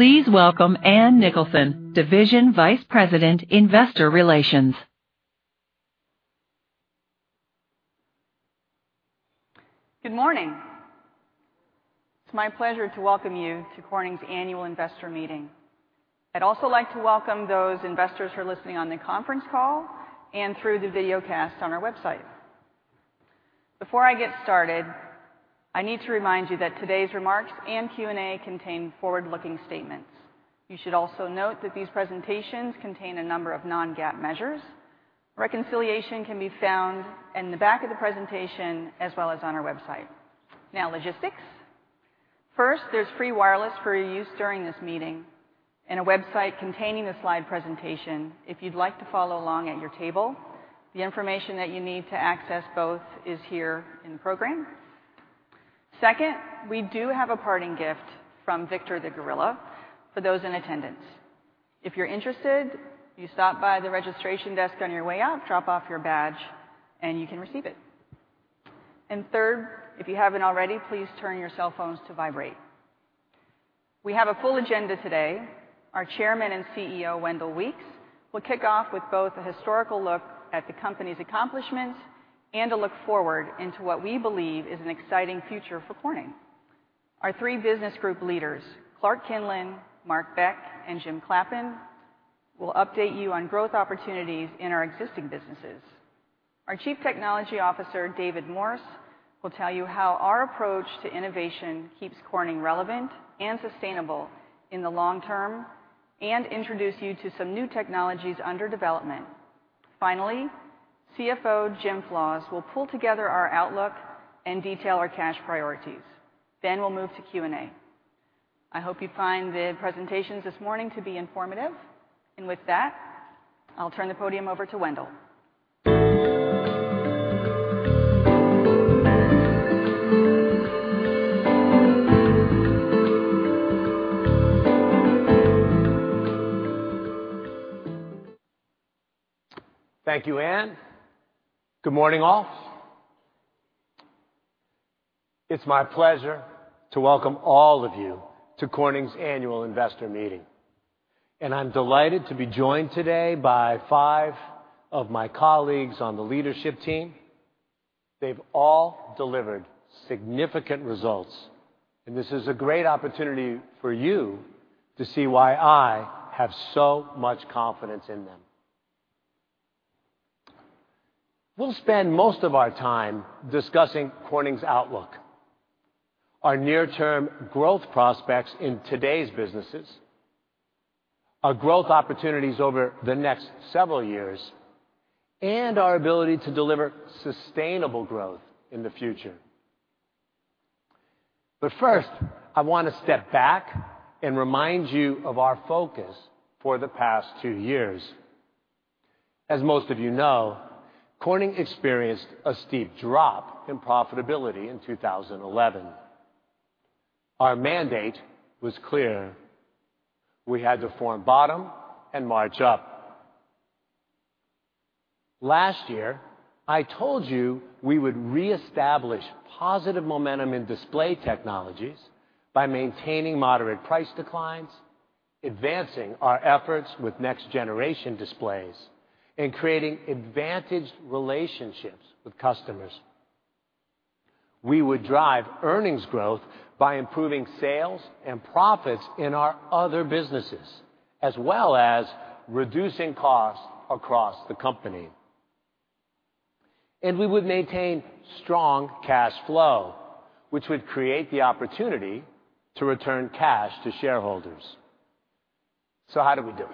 Please welcome Ann Nicholson, Division Vice President, Investor Relations. Good morning. It's my pleasure to welcome you to Corning's Annual Investor Meeting. I'd also like to welcome those investors who are listening on the conference call and through the videocast on our website. Before I get started, I need to remind you that today's remarks and Q&A contain forward-looking statements. You should also note that these presentations contain a number of non-GAAP measures. Reconciliation can be found in the back of the presentation as well as on our website. Now, logistics. First, there's free wireless for your use during this meeting and a website containing the slide presentation, if you'd like to follow along at your table. The information that you need to access both is here in the program. Second, we do have a parting gift from Victor the Gorilla for those in attendance. If you're interested, you stop by the registration desk on your way out, drop off your badge, and you can receive it. Third, if you haven't already, please turn your cell phones to vibrate. We have a full agenda today. Our Chairman and CEO, Wendell Weeks, will kick off with both a historical look at the company's accomplishments and a look forward into what we believe is an exciting future for Corning. Our three business group leaders, Clark Kinlin, Mark Beck, and Jim Clappin, will update you on growth opportunities in our existing businesses. Our Chief Technology Officer, David Morse, will tell you how our approach to innovation keeps Corning relevant and sustainable in the long term and introduce you to some new technologies under development. Finally, CFO Jim Flaws will pull together our outlook and detail our cash priorities. We'll move to Q&A. I hope you find the presentations this morning to be informative. With that, I'll turn the podium over to Wendell. Thank you, Ann. Good morning, all. It's my pleasure to welcome all of you to Corning's Annual Investor Meeting. I'm delighted to be joined today by five of my colleagues on the leadership team. They've all delivered significant results. This is a great opportunity for you to see why I have so much confidence in them. We'll spend most of our time discussing Corning's outlook, our near-term growth prospects in today's businesses, our growth opportunities over the next several years, and our ability to deliver sustainable growth in the future. First, I want to step back and remind you of our focus for the past 2 years. As most of you know, Corning experienced a steep drop in profitability in 2011. Our mandate was clear. We had to form bottom and march up. Last year, I told you we would reestablish positive momentum in Display Technologies by maintaining moderate price declines, advancing our efforts with next-generation displays, and creating advantaged relationships with customers. We would drive earnings growth by improving sales and profits in our other businesses, as well as reducing costs across the company. We would maintain strong cash flow, which would create the opportunity to return cash to shareholders. How did we do?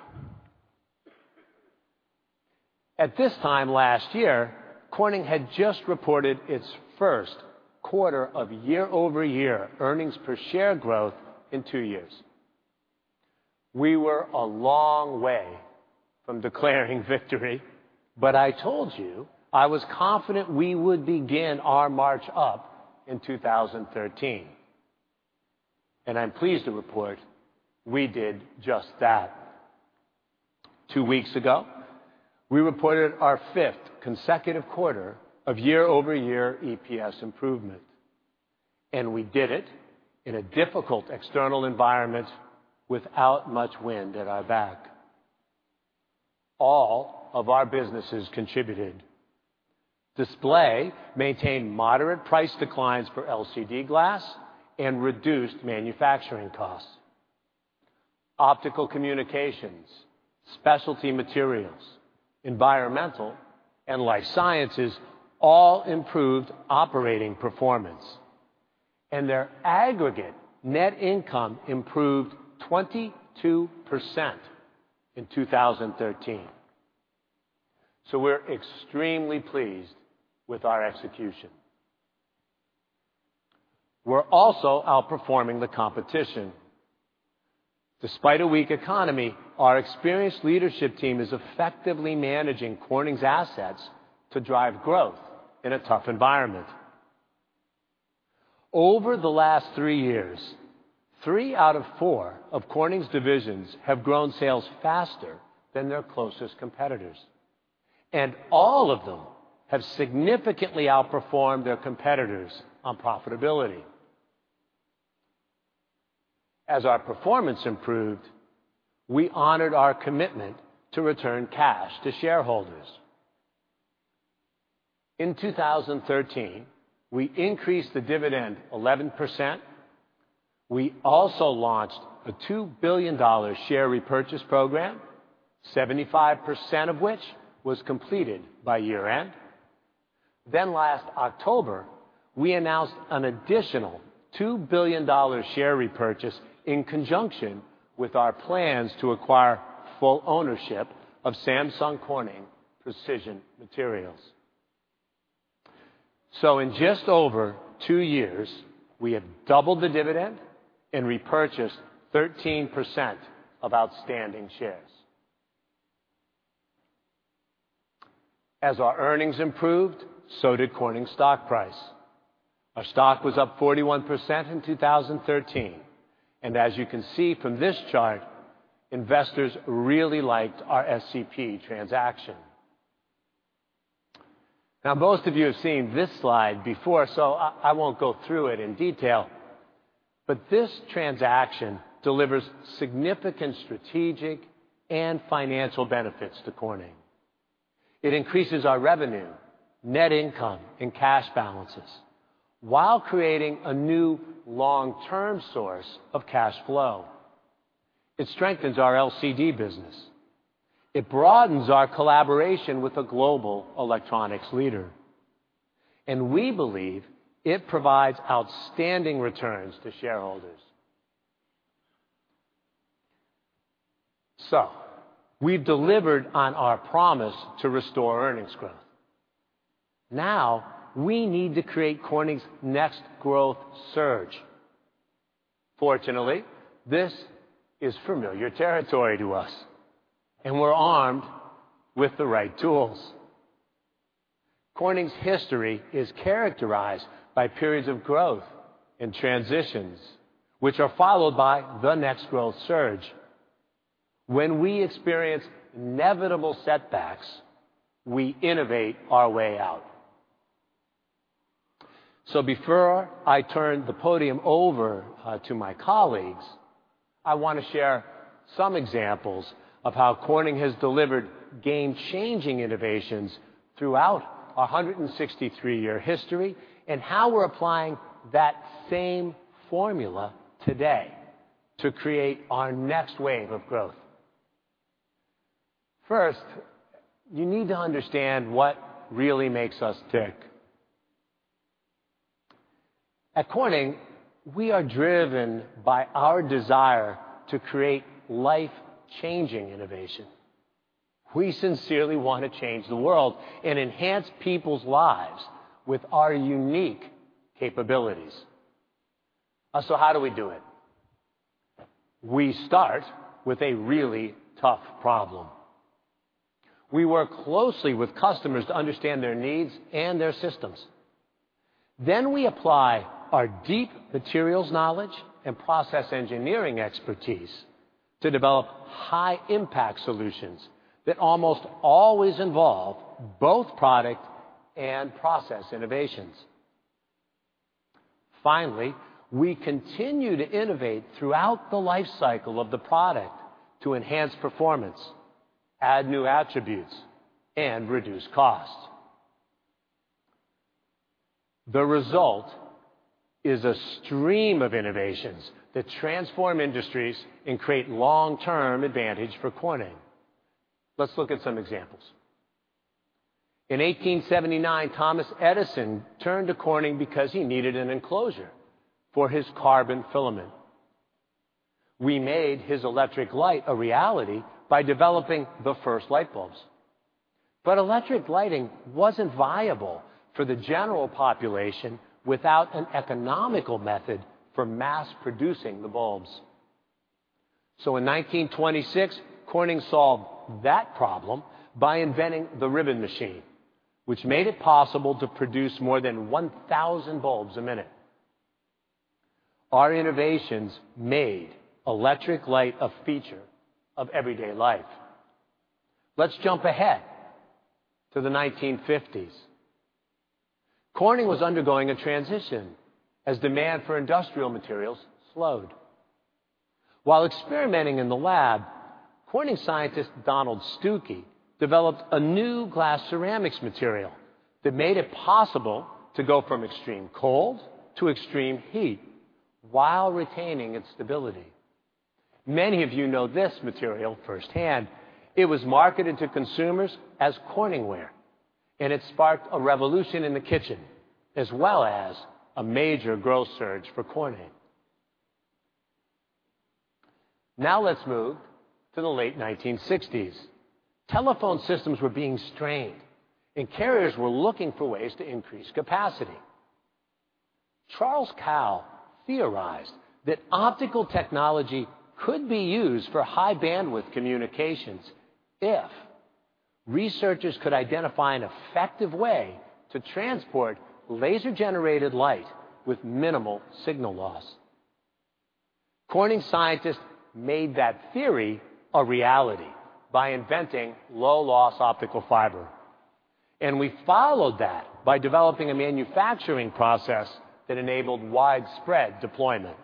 At this time last year, Corning had just reported its first quarter of year-over-year earnings per share growth in 2 years. We were a long way from declaring victory. I told you I was confident we would begin our march up in 2013. I'm pleased to report we did just that. Two weeks ago, we reported our fifth consecutive quarter of year-over-year EPS improvement. We did it in a difficult external environment without much wind at our back. All of our businesses contributed. Display maintained moderate price declines for LCD glass and reduced manufacturing costs. Optical Communications, Specialty Materials, Environmental, and Life Sciences all improved operating performance. Their aggregate net income improved 22% in 2013. We're extremely pleased with our execution. We're also outperforming the competition. Despite a weak economy, our experienced leadership team is effectively managing Corning's assets to drive growth in a tough environment. Over the last 3 years, 3 out of 4 of Corning's divisions have grown sales faster than their closest competitors. All of them have significantly outperformed their competitors on profitability. As our performance improved, we honored our commitment to return cash to shareholders. In 2013, we increased the dividend 11%. We also launched a $2 billion share repurchase program, 75% of which was completed by year-end. Last October, we announced an additional $2 billion share repurchase in conjunction with our plans to acquire full ownership of Samsung Corning Precision Materials. In just over 2 years, we have doubled the dividend and repurchased 13% of outstanding shares. As our earnings improved, so did Corning's stock price. Our stock was up 41% in 2013. As you can see from this chart, investors really liked our SCP transaction. Most of you have seen this slide before. I won't go through it in detail. This transaction delivers significant strategic and financial benefits to Corning. It increases our revenue, net income, and cash balances while creating a new long-term source of cash flow. It strengthens our LCD business. It broadens our collaboration with a global electronics leader, we believe it provides outstanding returns to shareholders. We've delivered on our promise to restore earnings growth. Now we need to create Corning's next growth surge. Fortunately, this is familiar territory to us, we're armed with the right tools. Corning's history is characterized by periods of growth and transitions, which are followed by the next growth surge. When we experience inevitable setbacks, we innovate our way out. Before I turn the podium over to my colleagues, I want to share some examples of how Corning has delivered game-changing innovations throughout our 163-year history, how we're applying that same formula today to create our next wave of growth. First, you need to understand what really makes us tick. At Corning, we are driven by our desire to create life-changing innovation. We sincerely want to change the world and enhance people's lives with our unique capabilities. How do we do it? We start with a really tough problem. We work closely with customers to understand their needs and their systems. We apply our deep materials knowledge and process engineering expertise to develop high-impact solutions that almost always involve both product and process innovations. Finally, we continue to innovate throughout the life cycle of the product to enhance performance, add new attributes, and reduce costs. The result is a stream of innovations that transform industries and create long-term advantage for Corning. Let's look at some examples. In 1879, Thomas Edison turned to Corning because he needed an enclosure for his carbon filament. We made his electric light a reality by developing the first light bulbs. Electric lighting wasn't viable for the general population without an economical method for mass producing the bulbs. In 1926, Corning solved that problem by inventing the ribbon machine, which made it possible to produce more than 1,000 bulbs a minute. Our innovations made electric light a feature of everyday life. Let's jump ahead to the 1950s. Corning was undergoing a transition as demand for industrial materials slowed. While experimenting in the lab, Corning scientist Donald Stookey developed a new glass ceramics material that made it possible to go from extreme cold to extreme heat while retaining its stability. Many of you know this material firsthand. It was marketed to consumers as CorningWare, and it sparked a revolution in the kitchen, as well as a major growth surge for Corning. Now let's move to the late 1960s. Telephone systems were being strained, carriers were looking for ways to increase capacity. Charles Kao theorized that optical technology could be used for high bandwidth communications if researchers could identify an effective way to transport laser-generated light with minimal signal loss. Corning scientists made that theory a reality by inventing low-loss optical fiber. We followed that by developing a manufacturing process that enabled widespread deployment.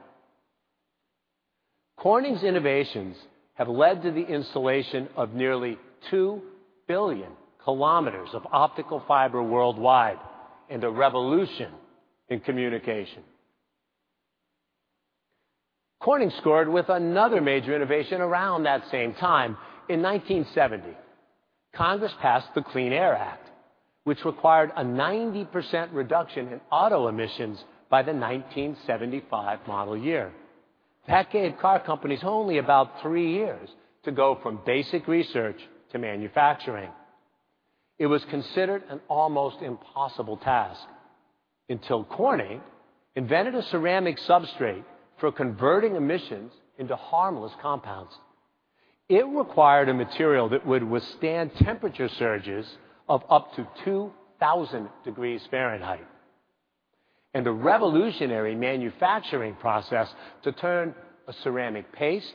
Corning's innovations have led to the installation of nearly 2 billion kilometers of optical fiber worldwide and a revolution in communication. Corning scored with another major innovation around that same time. In 1970, Congress passed the Clean Air Act, which required a 90% reduction in auto emissions by the 1975 model year. That gave car companies only about three years to go from basic research to manufacturing. It was considered an almost impossible task until Corning invented a ceramic substrate for converting emissions into harmless compounds. It required a material that would withstand temperature surges of up to 2,000 degrees Fahrenheit and a revolutionary manufacturing process to turn a ceramic paste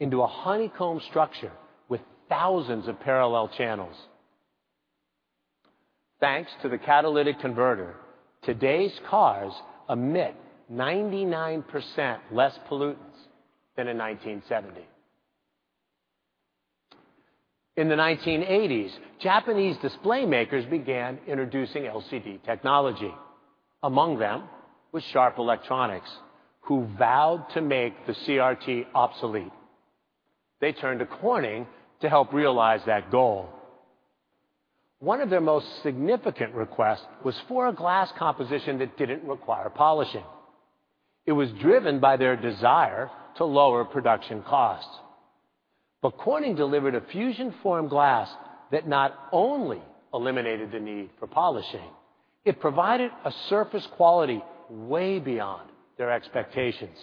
into a honeycomb structure with thousands of parallel channels. Thanks to the catalytic converter, today's cars emit 99% less pollutants than in 1970. In the 1980s, Japanese display makers began introducing LCD technology. Among them was Sharp Corporation, who vowed to make the CRT obsolete. They turned to Corning to help realize that goal. One of their most significant requests was for a glass composition that didn't require polishing. It was driven by their desire to lower production costs. Corning delivered a Fusion form glass that not only eliminated the need for polishing, it provided a surface quality way beyond their expectations.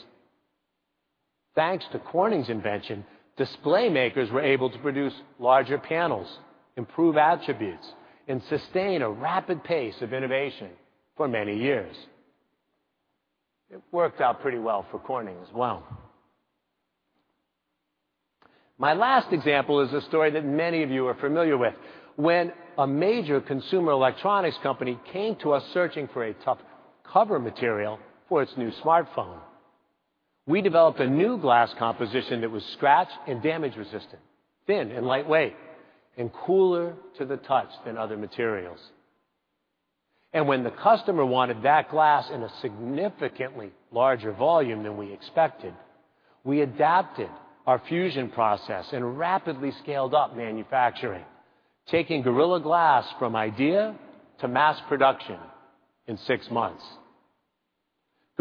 Thanks to Corning's invention, display makers were able to produce larger panels, improve attributes, and sustain a rapid pace of innovation for many years. It worked out pretty well for Corning as well. My last example is a story that many of you are familiar with. When a major consumer electronics company came to us searching for a tough cover material for its new smartphone, we developed a new glass composition that was scratch and damage-resistant, thin and lightweight, and cooler to the touch than other materials. When the customer wanted that glass in a significantly larger volume than we expected, we adapted our Fusion process and rapidly scaled up manufacturing, taking Gorilla Glass from idea to mass production in six months.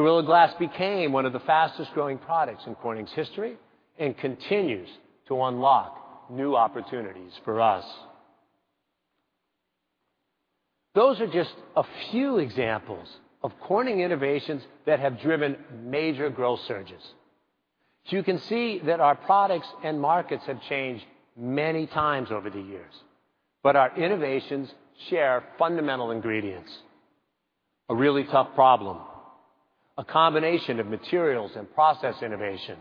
Gorilla Glass became one of the fastest-growing products in Corning's history and continues to unlock new opportunities for us. Those are just a few examples of Corning innovations that have driven major growth surges. You can see that our products and markets have changed many times over the years, but our innovations share fundamental ingredients, a really tough problem, a combination of materials and process innovation,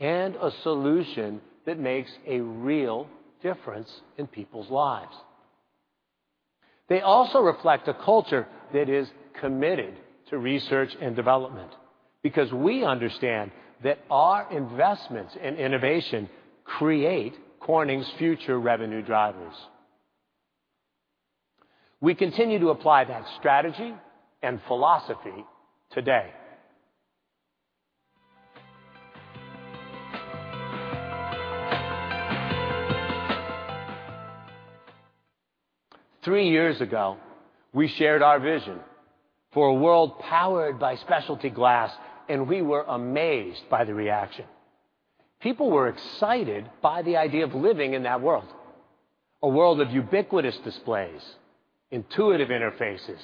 and a solution that makes a real difference in people's lives. They also reflect a culture that is committed to research and development because we understand that our investments in innovation create Corning's future revenue drivers. We continue to apply that strategy and philosophy today. Three years ago, we shared our vision for a world powered by specialty glass, and we were amazed by the reaction. People were excited by the idea of living in that world, a world of ubiquitous displays, intuitive interfaces,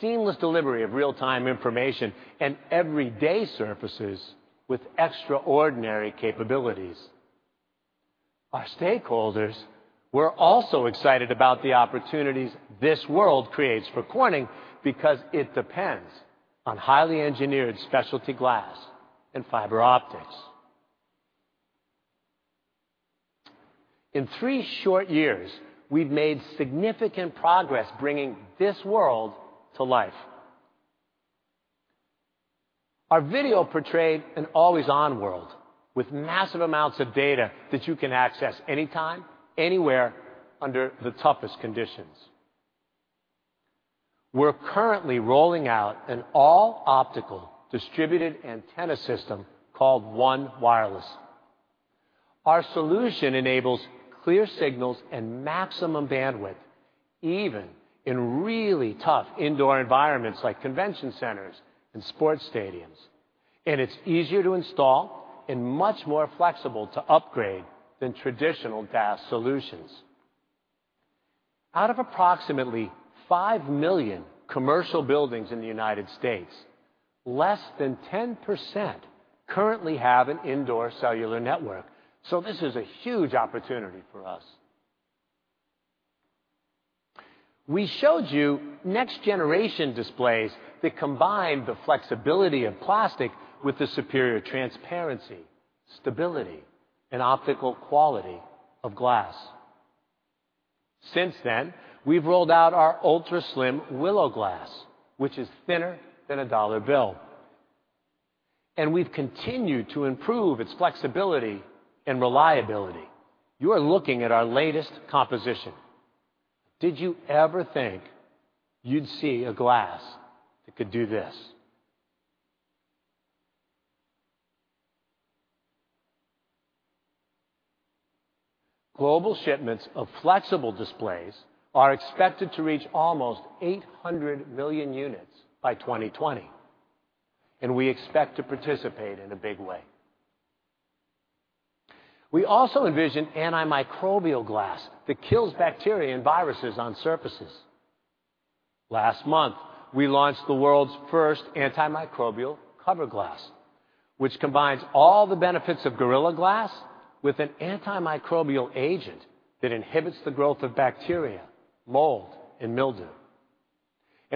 seamless delivery of real-time information, and everyday surfaces with extraordinary capabilities. Our stakeholders were also excited about the opportunities this world creates for Corning because it depends on highly engineered specialty glass and fiber optics. In three short years, we've made significant progress bringing this world to life. Our video portrayed an always-on world with massive amounts of data that you can access anytime, anywhere, under the toughest conditions. We're currently rolling out an all-optical distributed antenna system called ONE Wireless. Our solution enables clear signals and maximum bandwidth, even in really tough indoor environments like convention centers and sports stadiums. It's easier to install and much more flexible to upgrade than traditional DAS solutions. Out of approximately five million commercial buildings in the U.S., less than 10% currently have an indoor cellular network. This is a huge opportunity for us. We showed you next-generation displays that combine the flexibility of plastic with the superior transparency, stability, and optical quality of glass. Since then, we've rolled out our ultra-slim Willow Glass, which is thinner than a dollar bill. We've continued to improve its flexibility and reliability. You are looking at our latest composition. Did you ever think you'd see a glass that could do this? Global shipments of flexible displays are expected to reach almost 800 million units by 2020, and we expect to participate in a big way. We also envision antimicrobial glass that kills bacteria and viruses on surfaces. Last month, we launched the world's first antimicrobial cover glass, which combines all the benefits of Gorilla Glass with an antimicrobial agent that inhibits the growth of bacteria, mold, and mildew.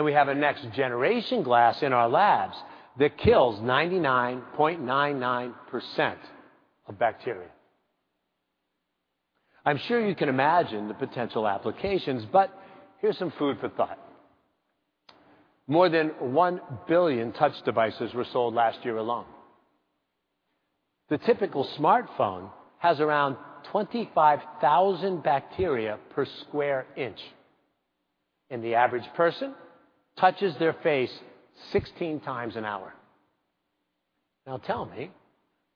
We have a next-generation glass in our labs that kills 99.99% of bacteria. I'm sure you can imagine the potential applications, but here's some food for thought. More than 1 billion touch devices were sold last year alone. The typical smartphone has around 25,000 bacteria per square inch, and the average person touches their face 16 times an hour. Now tell me,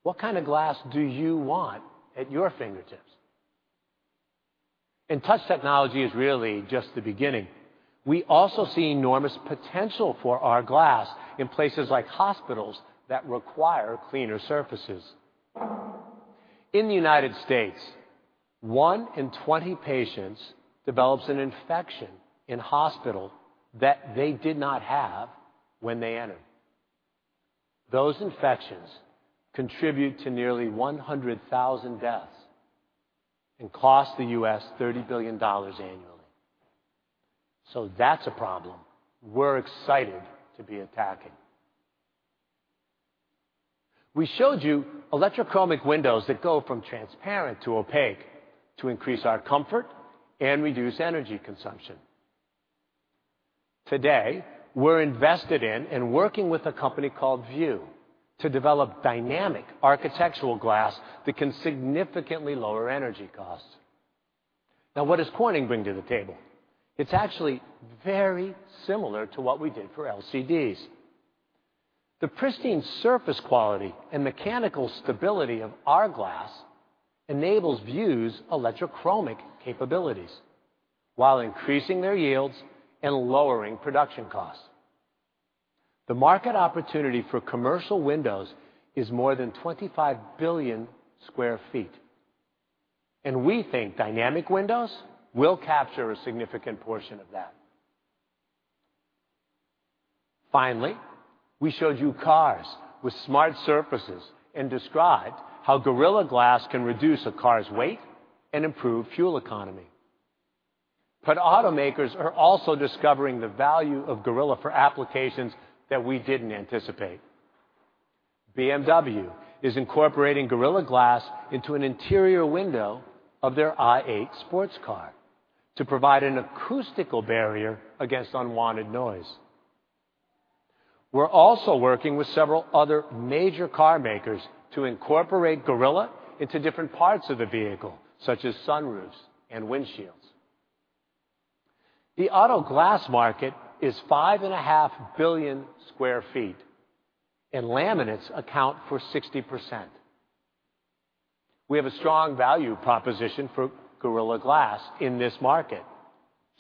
what kind of glass do you want at your fingertips? Touch technology is really just the beginning. We also see enormous potential for our glass in places like hospitals that require cleaner surfaces. In the U.S., 1 in 20 patients develops an infection in hospital that they did not have when they entered. Those infections contribute to nearly 100,000 deaths and cost the U.S. $30 billion annually. That's a problem we're excited to be attacking. We showed you electrochromic windows that go from transparent to opaque to increase our comfort and reduce energy consumption. Today, we're invested in and working with a company called View to develop dynamic architectural glass that can significantly lower energy costs. What does Corning bring to the table? It's actually very similar to what we did for LCDs. The pristine surface quality and mechanical stability of our glass enables View's electrochromic capabilities while increasing their yields and lowering production costs. The market opportunity for commercial windows is more than 25 billion sq ft, and we think dynamic windows will capture a significant portion of that. Finally, we showed you cars with smart surfaces and described how Gorilla Glass can reduce a car's weight and improve fuel economy. Automakers are also discovering the value of Gorilla for applications that we didn't anticipate. BMW is incorporating Gorilla Glass into an interior window of their i8 sports car to provide an acoustical barrier against unwanted noise. We're also working with several other major car makers to incorporate Gorilla into different parts of the vehicle, such as sunroofs and windshields. The auto glass market is five and a half billion sq ft, and laminates account for 60%. We have a strong value proposition for Gorilla Glass in this market,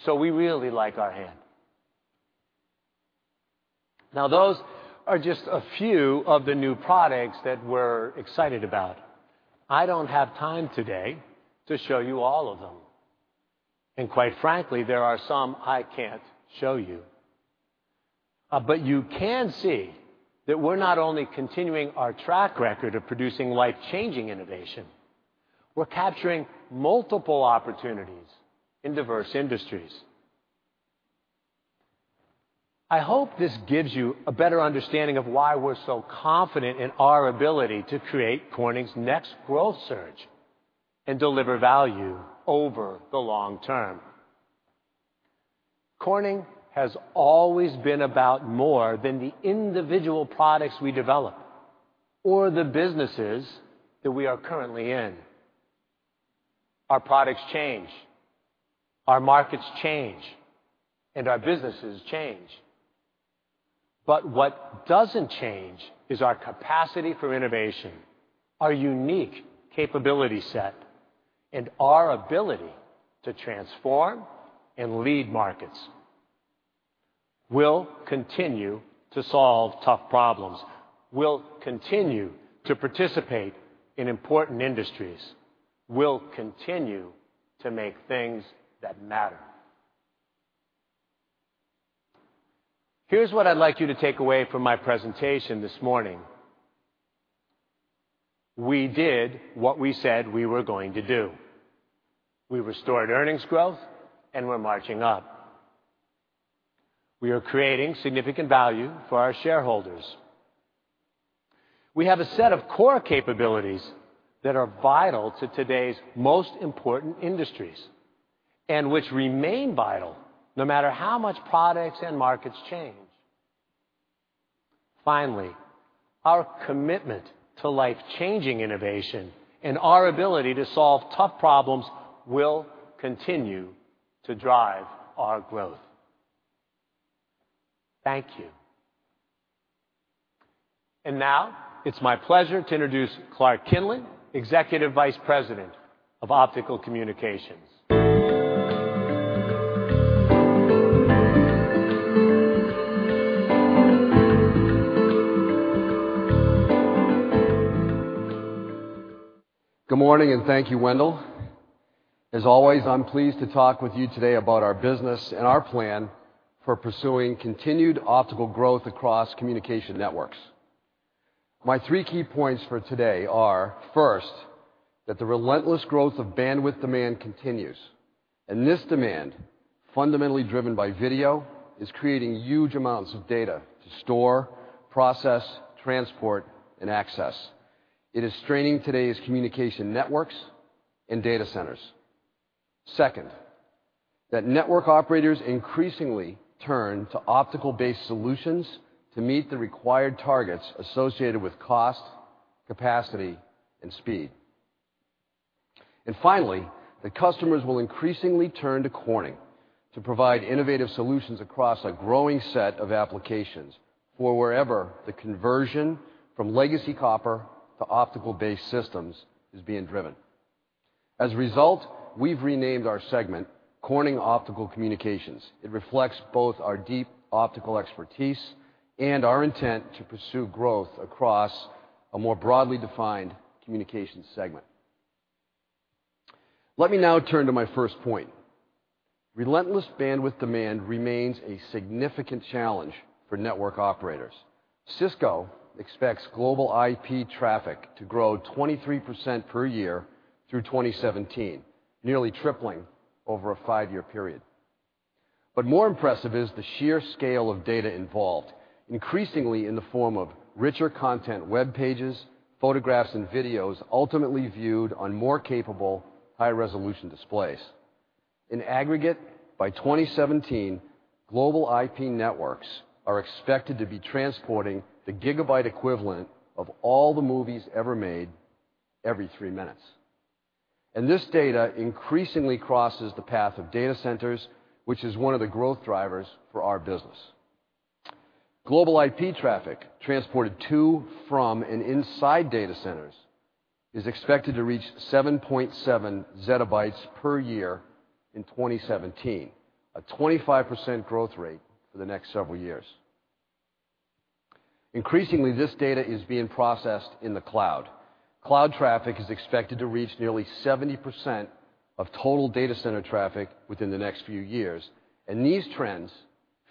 so we really like our hand. Those are just a few of the new products that we're excited about. I don't have time today to show you all of them, and quite frankly, there are some I can't show you. You can see that we're not only continuing our track record of producing life-changing innovation, we're capturing multiple opportunities in diverse industries. I hope this gives you a better understanding of why we're so confident in our ability to create Corning's next growth surge and deliver value over the long term. Corning has always been about more than the individual products we develop or the businesses that we are currently in. Our products change, our markets change, our businesses change. What doesn't change is our capacity for innovation, our unique capability set, our ability to transform and lead markets. We'll continue to solve tough problems. We'll continue to participate in important industries. We'll continue to make things that matter. Here's what I'd like you to take away from my presentation this morning. We did what we said we were going to do. We restored earnings growth, we're marching up. We are creating significant value for our shareholders. We have a set of core capabilities that are vital to today's most important industries which remain vital no matter how much products and markets change. Finally, our commitment to life-changing innovation and our ability to solve tough problems will continue to drive our growth. Thank you. Now it's my pleasure to introduce Clark Kinlin, Executive Vice President of Corning Optical Communications. Good morning. Thank you, Wendell. As always, I'm pleased to talk with you today about our business and our plan for pursuing continued optical growth across communication networks. My three key points for today are, first, that the relentless growth of bandwidth demand continues, and this demand, fundamentally driven by video, is creating huge amounts of data to store, process, transport, and access. It is straining today's communication networks and data centers. Second, that network operators increasingly turn to optical-based solutions to meet the required targets associated with cost, capacity, and speed. Finally, the customers will increasingly turn to Corning to provide innovative solutions across a growing set of applications for wherever the conversion from legacy copper to optical-based systems is being driven. As a result, we've renamed our segment Corning Optical Communications. It reflects both our deep optical expertise our intent to pursue growth across a more broadly defined communications segment. Let me now turn to my first point. Relentless bandwidth demand remains a significant challenge for network operators. Cisco expects global IP traffic to grow 23% per year through 2017, nearly tripling over a five-year period. More impressive is the sheer scale of data involved, increasingly in the form of richer content web pages, photographs, and videos ultimately viewed on more capable high-resolution displays. In aggregate, by 2017, global IP networks are expected to be transporting the gigabyte equivalent of all the movies ever made every three minutes. This data increasingly crosses the path of data centers, which is one of the growth drivers for our business. Global IP traffic transported to, from, and inside data centers is expected to reach 7.7 zettabytes per year in 2017, a 25% growth rate for the next several years. Increasingly, this data is being processed in the cloud. Cloud traffic is expected to reach nearly 70% of total data center traffic within the next few years, these trends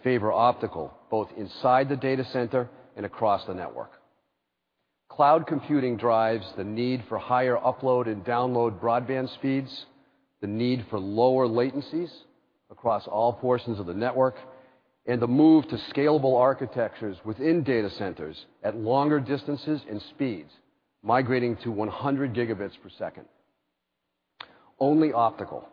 favor optical both inside the data center and across the network. Cloud computing drives the need for higher upload and download broadband speeds, the need for lower latencies across all portions of the network, and the move to scalable architectures within data centers at longer distances and speeds, migrating to 100 gigabits per second. Only optical,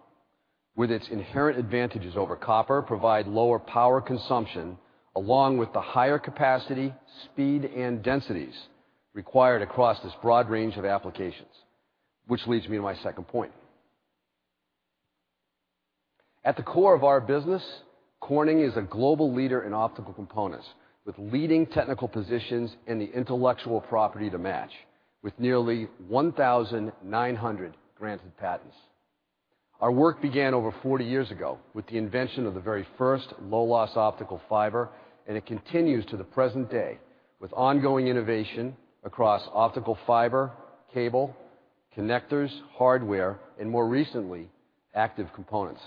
with its inherent advantages over copper, provide lower power consumption, along with the higher capacity, speed, and densities required across this broad range of applications. Leads me to my second point. At the core of our business, Corning is a global leader in optical components with leading technical positions and the intellectual property to match. With nearly 1,900 granted patents. Our work began over 40 years ago with the invention of the very first low-loss optical fiber, and it continues to the present day with ongoing innovation across optical fiber, cable, connectors, hardware, and more recently, active components.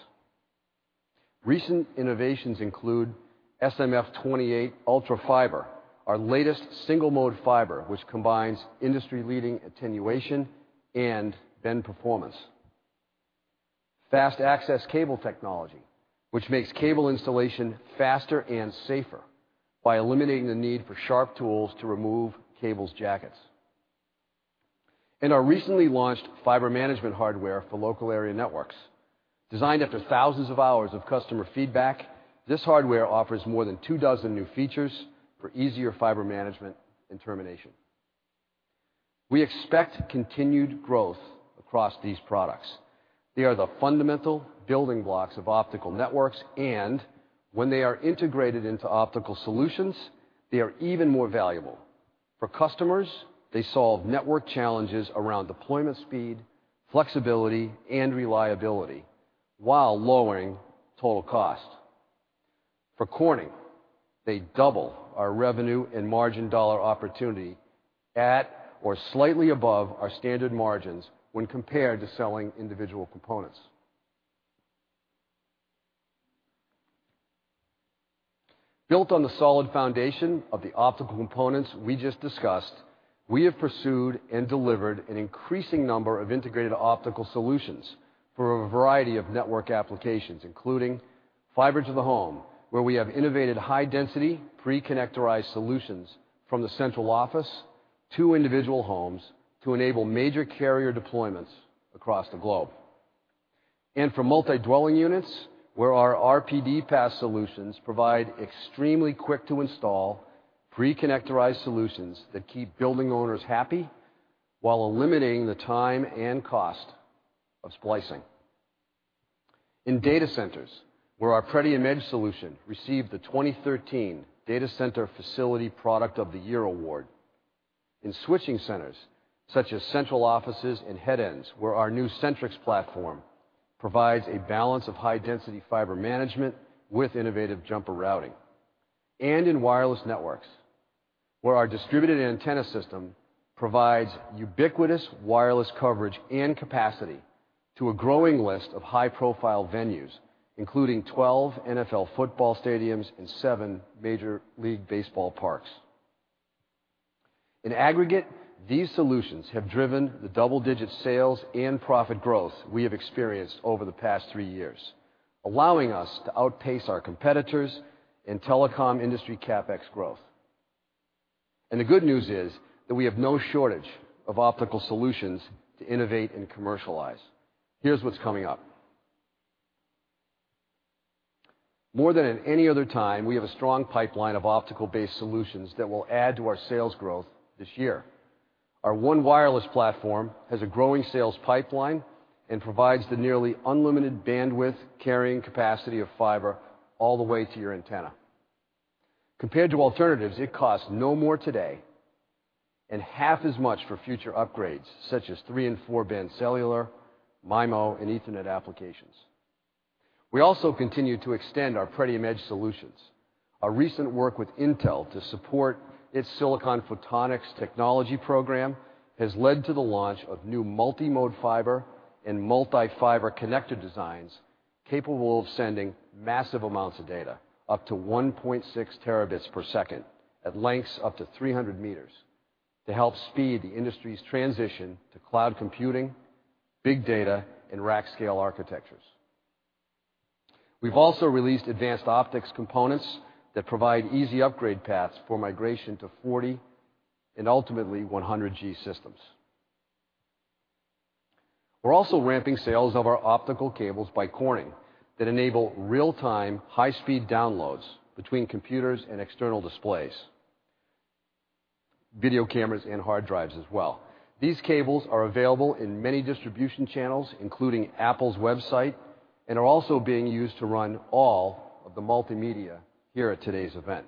Recent innovations include SMF-28 Ultra Fiber, our latest single-mode fiber, which combines industry-leading attenuation and bend performance. FastAccess Cable technology, which makes cable installation faster and safer by eliminating the need for sharp tools to remove cables' jackets. Our recently launched fiber management hardware for local area networks. Designed after thousands of hours of customer feedback, this hardware offers more than two dozen new features for easier fiber management and termination. We expect continued growth across these products. They are the fundamental building blocks of optical networks, and when they are integrated into optical solutions, they are even more valuable. For customers, they solve network challenges around deployment speed, flexibility, and reliability while lowering total cost. For Corning, they double our revenue and margin dollar opportunity at or slightly above our standard margins when compared to selling individual components. Built on the solid foundation of the optical components we just discussed, we have pursued and delivered an increasing number of integrated optical solutions for a variety of network applications, including fiber to the home, where we have innovated high-density, pre-connectorized solutions from the central office to individual homes to enable major carrier deployments across the globe. For multi-dwelling units, where our RPDpass solutions provide extremely quick-to-install pre-connectorized solutions that keep building owners happy while eliminating the time and cost of splicing. In data centers, where our Pretium EDGE solution received the 2013 Data Center Facility Product of the Year award. In switching centers, such as central offices and headends, where our new Centrix platform provides a balance of high-density fiber management with innovative jumper routing. In wireless networks, where our distributed antenna system provides ubiquitous wireless coverage and capacity to a growing list of high-profile venues, including 12 NFL football stadiums and seven Major League Baseball parks. In aggregate, these solutions have driven the double-digit sales and profit growth we have experienced over the past three years, allowing us to outpace our competitors in telecom industry CapEx growth. The good news is that we have no shortage of optical solutions to innovate and commercialize. Here's what's coming up. More than at any other time, we have a strong pipeline of optical-based solutions that will add to our sales growth this year. Our ONE Wireless Platform has a growing sales pipeline and provides the nearly unlimited bandwidth carrying capacity of fiber all the way to your antenna. Compared to alternatives, it costs no more today and half as much for future upgrades such as three and four-band cellular, MIMO, and ethernet applications. We also continue to extend our Pretium EDGE solutions. Our recent work with Intel to support its Silicon Photonics technology program has led to the launch of new multi-mode fiber and multi-fiber connector designs capable of sending massive amounts of data, up to 1.6 terabits per second, at lengths up to 300 meters, to help speed the industry's transition to cloud computing, big data, and rack scale architectures. We've also released advanced optics components that provide easy upgrade paths for migration to 40 and ultimately 100G systems. We're also ramping sales of our optical cables by Corning that enable real-time, high-speed downloads between computers and external displays, video cameras, and hard drives as well. These cables are available in many distribution channels, including Apple's website, and are also being used to run all of the multimedia here at today's event.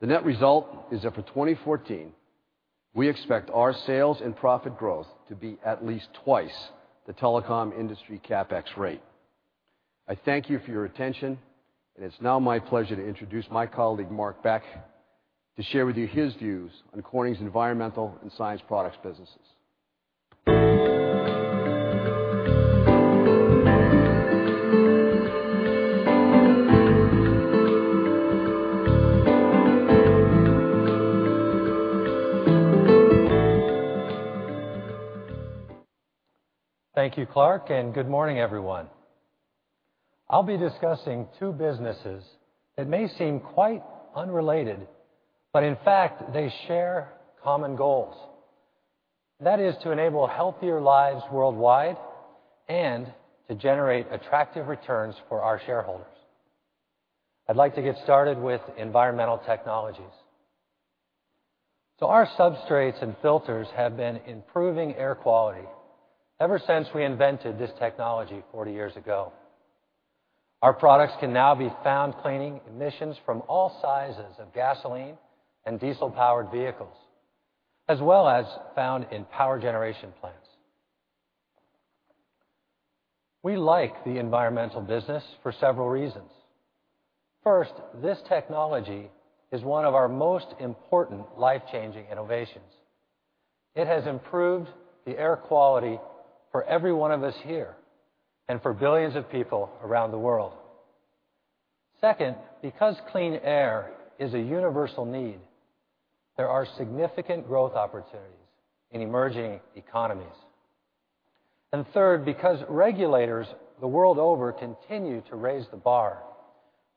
The net result is that for 2014, we expect our sales and profit growth to be at least twice the telecom industry CapEx rate. I thank you for your attention, and it's now my pleasure to introduce my colleague, Mark Beck, to share with you his views on Corning's Environmental and Science Products businesses. Thank you, Clark, and good morning, everyone. I'll be discussing two businesses that may seem quite unrelated, but in fact, they share common goals. That is to enable healthier lives worldwide and to generate attractive returns for our shareholders. I'd like to get started with environmental technologies. Our substrates and filters have been improving air quality ever since we invented this technology 40 years ago. Our products can now be found cleaning emissions from all sizes of gasoline and diesel-powered vehicles, as well as found in power generation plants. We like the environmental business for several reasons. First, this technology is one of our most important life-changing innovations. It has improved the air quality for every one of us here and for billions of people around the world. Second, because clean air is a universal need, there are significant growth opportunities in emerging economies. Third, because regulators the world over continue to raise the bar,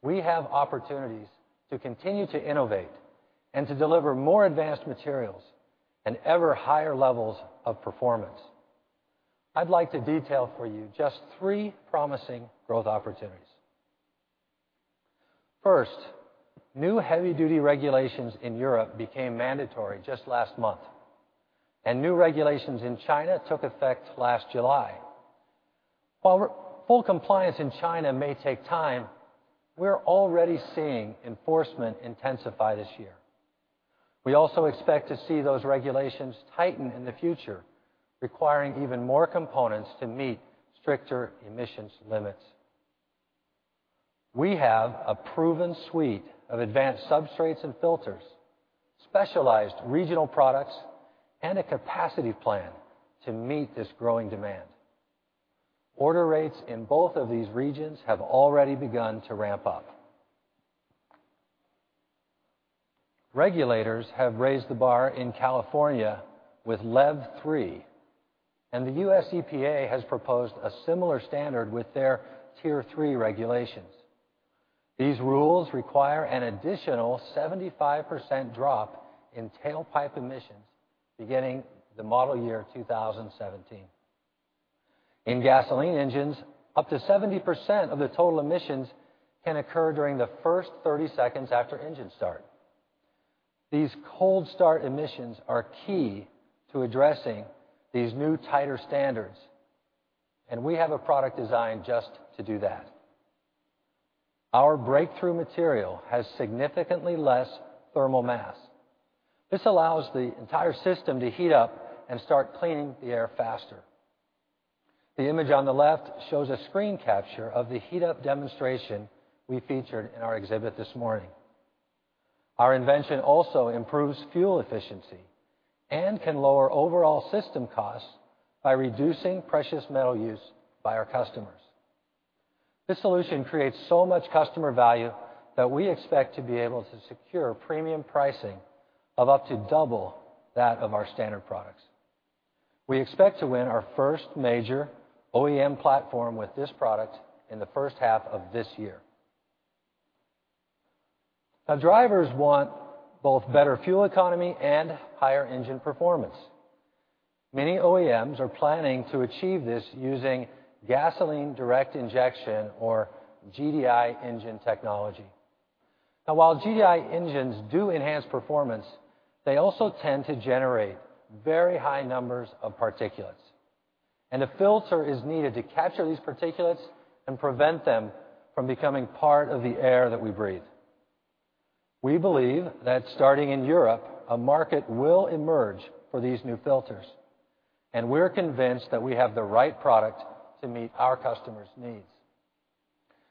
we have opportunities to continue to innovate and to deliver more advanced materials and ever higher levels of performance. I'd like to detail for you just three promising growth opportunities. First, new heavy-duty regulations in Europe became mandatory just last month, and new regulations in China took effect last July. While full compliance in China may take time, we're already seeing enforcement intensify this year. We also expect to see those regulations tighten in the future, requiring even more components to meet stricter emissions limits. We have a proven suite of advanced substrates and filters, specialized regional products, and a capacity plan to meet this growing demand. Order rates in both of these regions have already begun to ramp up. Regulators have raised the bar in California with LEV III, and the U.S. EPA has proposed a similar standard with their Tier 3 regulations. These rules require an additional 75% drop in tailpipe emissions beginning the model year 2017. In gasoline engines, up to 70% of the total emissions can occur during the first 30 seconds after engine start. These cold start emissions are key to addressing these new tighter standards, and we have a product design just to do that. Our breakthrough material has significantly less thermal mass. This allows the entire system to heat up and start cleaning the air faster. The image on the left shows a screen capture of the heat-up demonstration we featured in our exhibit this morning. Our invention also improves fuel efficiency and can lower overall system costs by reducing precious metal use by our customers. This solution creates so much customer value that we expect to be able to secure premium pricing of up to double that of our standard products. We expect to win our first major OEM platform with this product in the first half of this year. Drivers want both better fuel economy and higher engine performance. Many OEMs are planning to achieve this using gasoline direct injection or GDI engine technology. While GDI engines do enhance performance, they also tend to generate very high numbers of particulates, and a filter is needed to capture these particulates and prevent them from becoming part of the air that we breathe. We believe that starting in Europe, a market will emerge for these new filters, and we're convinced that we have the right product to meet our customers' needs.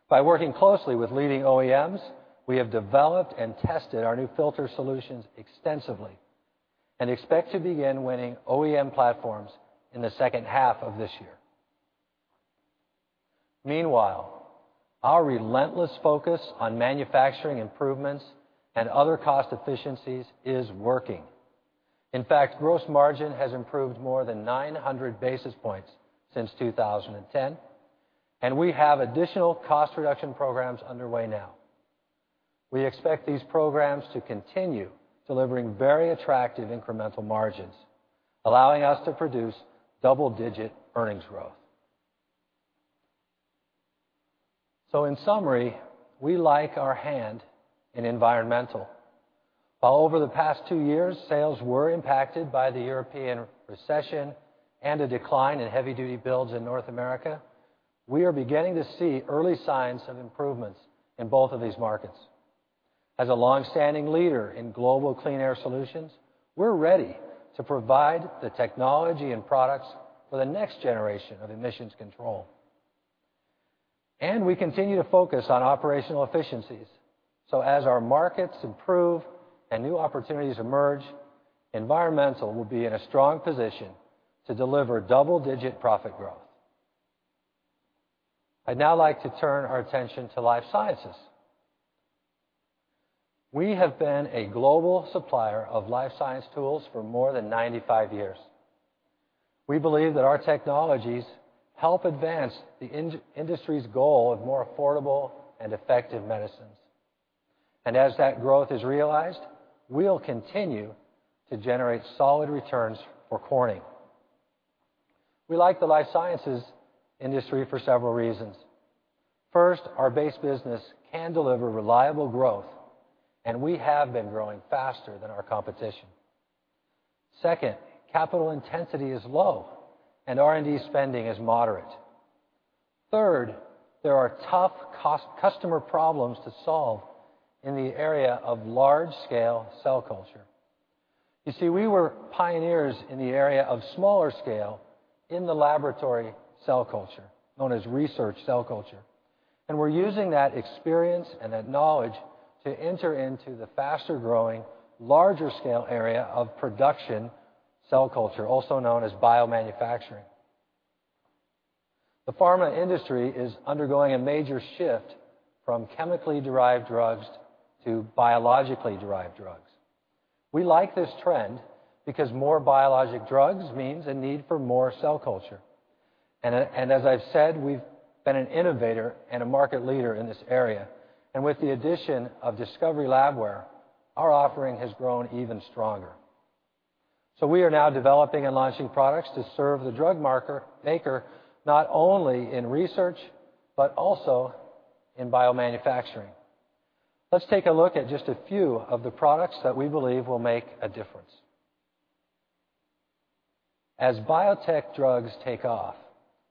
By working closely with leading OEMs, we have developed and tested our new filter solutions extensively and expect to begin winning OEM platforms in the second half of this year. Meanwhile, our relentless focus on manufacturing improvements and other cost efficiencies is working. In fact, gross margin has improved more than 900 basis points since 2010, and we have additional cost reduction programs underway now. We expect these programs to continue delivering very attractive incremental margins, allowing us to produce double-digit earnings growth. In summary, we like our hand in environmental. While over the past two years, sales were impacted by the European recession and a decline in heavy-duty builds in North America, we are beginning to see early signs of improvements in both of these markets. As a longstanding leader in global clean air solutions, we're ready to provide the technology and products for the next generation of emissions control. We continue to focus on operational efficiencies, so as our markets improve and new opportunities emerge, environmental will be in a strong position to deliver double-digit profit growth. I'd now like to turn our attention to life sciences. We have been a global supplier of life science tools for more than 95 years. We believe that our technologies help advance the industry's goal of more affordable and effective medicines. As that growth is realized, we'll continue to generate solid returns for Corning. We like the life sciences industry for several reasons. First, our base business can deliver reliable growth, and we have been growing faster than our competition. Second, capital intensity is low, and R&D spending is moderate. Third, there are tough customer problems to solve in the area of large-scale cell culture. You see, we were pioneers in the area of smaller scale in the laboratory cell culture, known as research cell culture. We're using that experience and that knowledge to enter into the faster-growing, larger scale area of production cell culture, also known as biomanufacturing. The pharma industry is undergoing a major shift from chemically derived drugs to biologically derived drugs. We like this trend because more biologic drugs means a need for more cell culture. As I've said, we've been an innovator and a market leader in this area. With the addition of Discovery Labware, our offering has grown even stronger. We are now developing and launching products to serve the drug maker, not only in research but also in biomanufacturing. Let's take a look at just a few of the products that we believe will make a difference. As biotech drugs take off,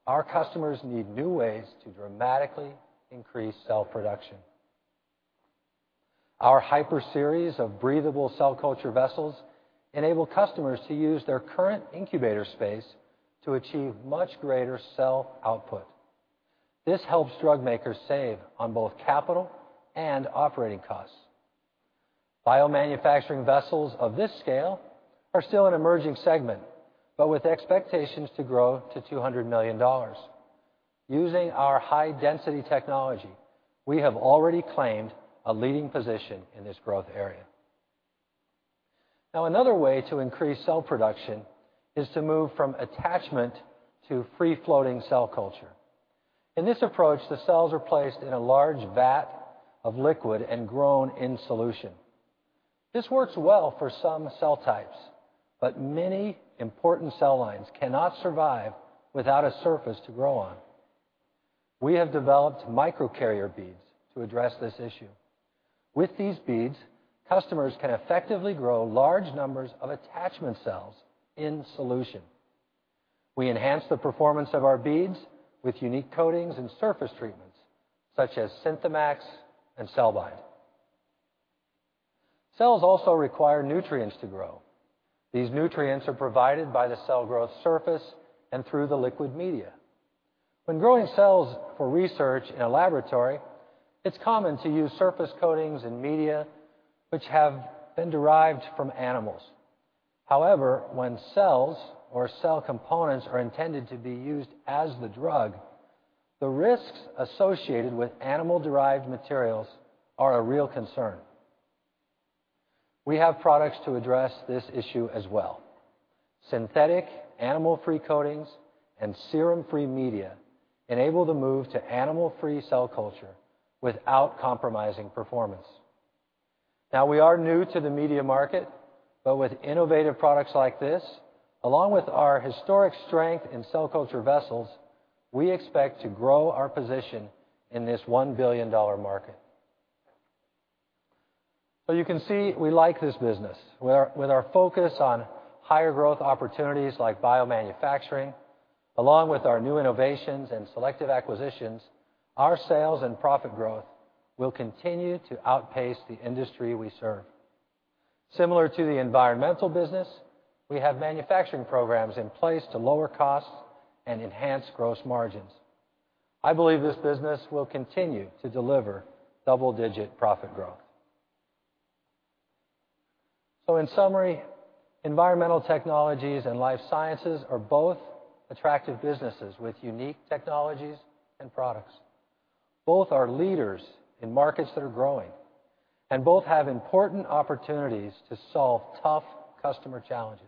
our customers need new ways to dramatically increase cell production. Our HYPERFlask series of breathable cell culture vessels enable customers to use their current incubator space to achieve much greater cell output. This helps drug makers save on both capital and operating costs. Biomanufacturing vessels of this scale are still an emerging segment, but with expectations to grow to $200 million. Using our high-density technology, we have already claimed a leading position in this growth area. Another way to increase cell production is to move from attachment to free-floating cell culture. In this approach, the cells are placed in a large vat of liquid and grown in solution. This works well for some cell types, but many important cell lines cannot survive without a surface to grow on. We have developed microcarrier beads to address this issue. With these beads, customers can effectively grow large numbers of attachment cells in solution. We enhance the performance of our beads with unique coatings and surface treatments such as Synthemax and CellBIND. Cells also require nutrients to grow. These nutrients are provided by the cell growth surface and through the liquid media. When growing cells for research in a laboratory, it's common to use surface coatings and media which have been derived from animals. However, when cells or cell components are intended to be used as the drug, the risks associated with animal-derived materials are a real concern. We have products to address this issue as well. Synthetic animal-free coatings and serum-free media enable the move to animal-free cell culture without compromising performance. We are new to the media market, but with innovative products like this, along with our historic strength in cell culture vessels, we expect to grow our position in this $1 billion market. You can see, we like this business. With our focus on higher growth opportunities like biomanufacturing, along with our new innovations and selective acquisitions, our sales and profit growth will continue to outpace the industry we serve. Similar to the environmental business, we have manufacturing programs in place to lower costs and enhance gross margins. I believe this business will continue to deliver double-digit profit growth. In summary, environmental technologies and life sciences are both attractive businesses with unique technologies and products. Both are leaders in markets that are growing, both have important opportunities to solve tough customer challenges.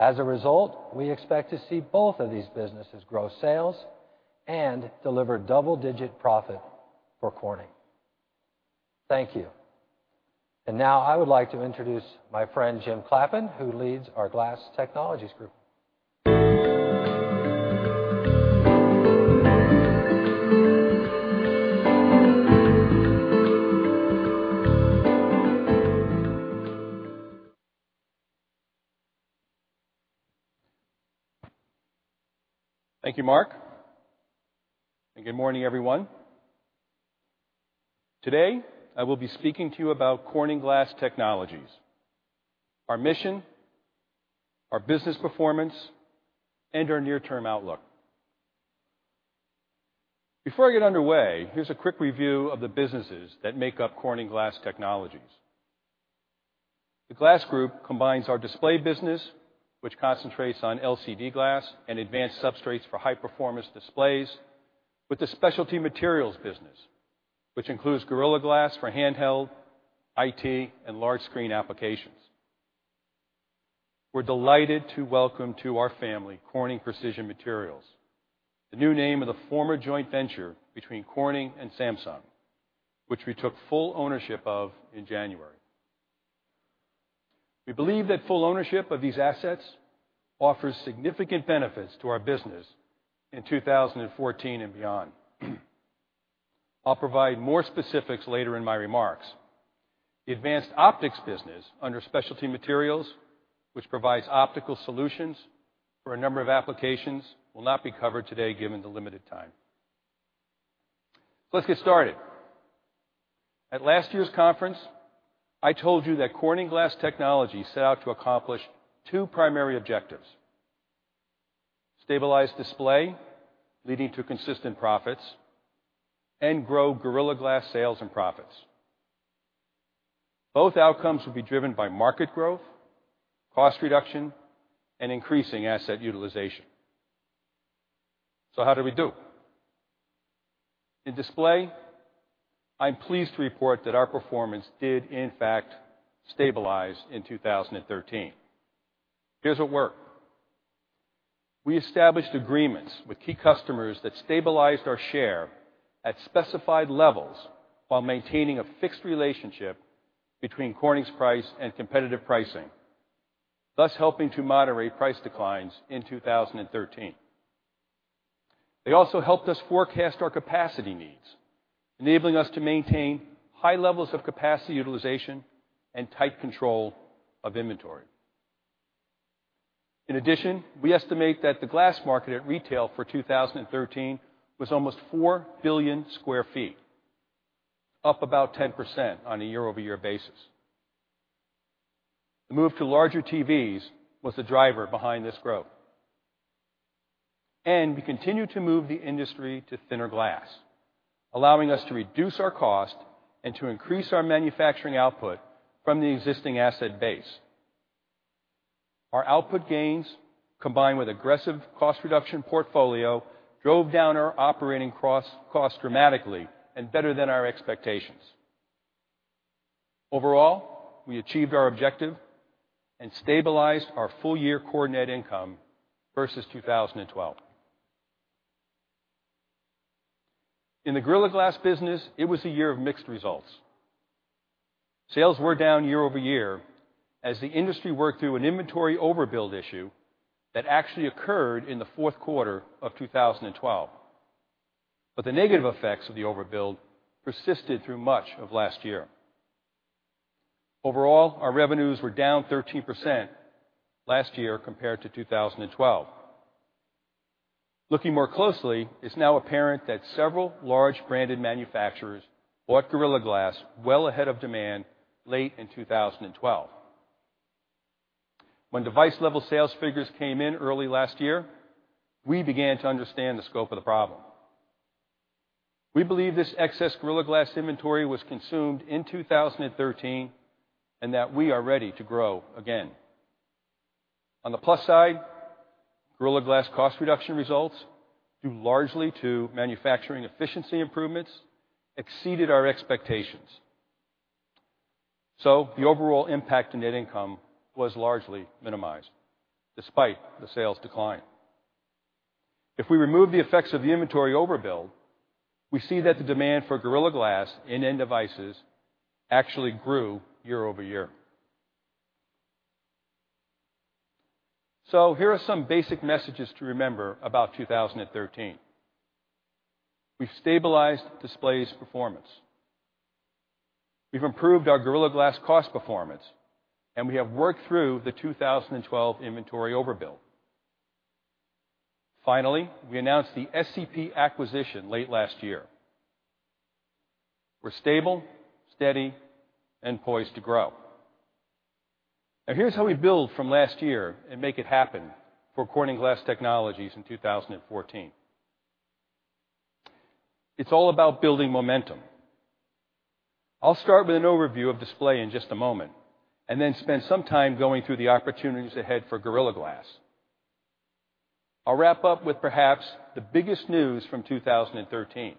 As a result, we expect to see both of these businesses grow sales and deliver double-digit profit for Corning. Thank you. Now I would like to introduce my friend Jim Clappin, who leads our Corning Glass Technologies group. Thank you, Mark. Good morning, everyone. Today, I will be speaking to you about Corning Glass Technologies, our mission, our business performance, and our near-term outlook. Before I get underway, here's a quick review of the businesses that make up Corning Glass Technologies. The glass group combines our display business, which concentrates on LCD glass and advanced substrates for high-performance displays, with the specialty materials business, which includes Gorilla Glass for handheld, IT, and large-screen applications. We're delighted to welcome to our family Corning Precision Materials, the new name of the former joint venture between Corning and Samsung, which we took full ownership of in January. We believe that full ownership of these assets offers significant benefits to our business in 2014 and beyond. I will provide more specifics later in my remarks. The advanced optics business under specialty materials, which provides optical solutions for a number of applications, will not be covered today given the limited time. Let's get started. At last year's conference, I told you that Corning Glass Technologies set out to accomplish two primary objectives, stabilize display, leading to consistent profits, grow Gorilla Glass sales and profits. Both outcomes will be driven by market growth, cost reduction, and increasing asset utilization. How did we do? In display, I am pleased to report that our performance did in fact stabilize in 2013. Here's what worked. We established agreements with key customers that stabilized our share at specified levels while maintaining a fixed relationship between Corning's price and competitive pricing, thus helping to moderate price declines in 2013. They also helped us forecast our capacity needs, enabling us to maintain high levels of capacity utilization and tight control of inventory. In addition, we estimate that the glass market at retail for 2013 was almost 4 billion sq ft, up about 10% on a year-over-year basis. The move to larger TVs was the driver behind this growth. We continue to move the industry to thinner glass, allowing us to reduce our cost and to increase our manufacturing output from the existing asset base. Our output gains, combined with aggressive cost reduction portfolio, drove down our operating cost dramatically and better than our expectations. Overall, we achieved our objective and stabilized our full-year core net income versus 2012. In the Gorilla Glass business, it was a year of mixed results. Sales were down year-over-year as the industry worked through an inventory overbuild issue that actually occurred in the fourth quarter of 2012. The negative effects of the overbuild persisted through much of last year. Overall, our revenues were down 13% last year compared to 2012. Looking more closely, it's now apparent that several large branded manufacturers bought Gorilla Glass well ahead of demand late in 2012. When device-level sales figures came in early last year, we began to understand the scope of the problem. We believe this excess Gorilla Glass inventory was consumed in 2013, and that we are ready to grow again. On the plus side, Gorilla Glass cost reduction results, due largely to manufacturing efficiency improvements, exceeded our expectations. The overall impact to net income was largely minimized despite the sales decline. If we remove the effects of the inventory overbuild, we see that the demand for Gorilla Glass in end devices actually grew year-over-year. Here are some basic messages to remember about 2013. We've stabilized displays performance. We've improved our Gorilla Glass cost performance, and we have worked through the 2012 inventory overbuild. Finally, we announced the SCP acquisition late last year. We're stable, steady, and poised to grow. Here's how we build from last year and make it happen for Corning Glass Technologies in 2014. It's all about building momentum. I'll start with an overview of display in just a moment, and then spend some time going through the opportunities ahead for Gorilla Glass. I'll wrap up with perhaps the biggest news from 2013,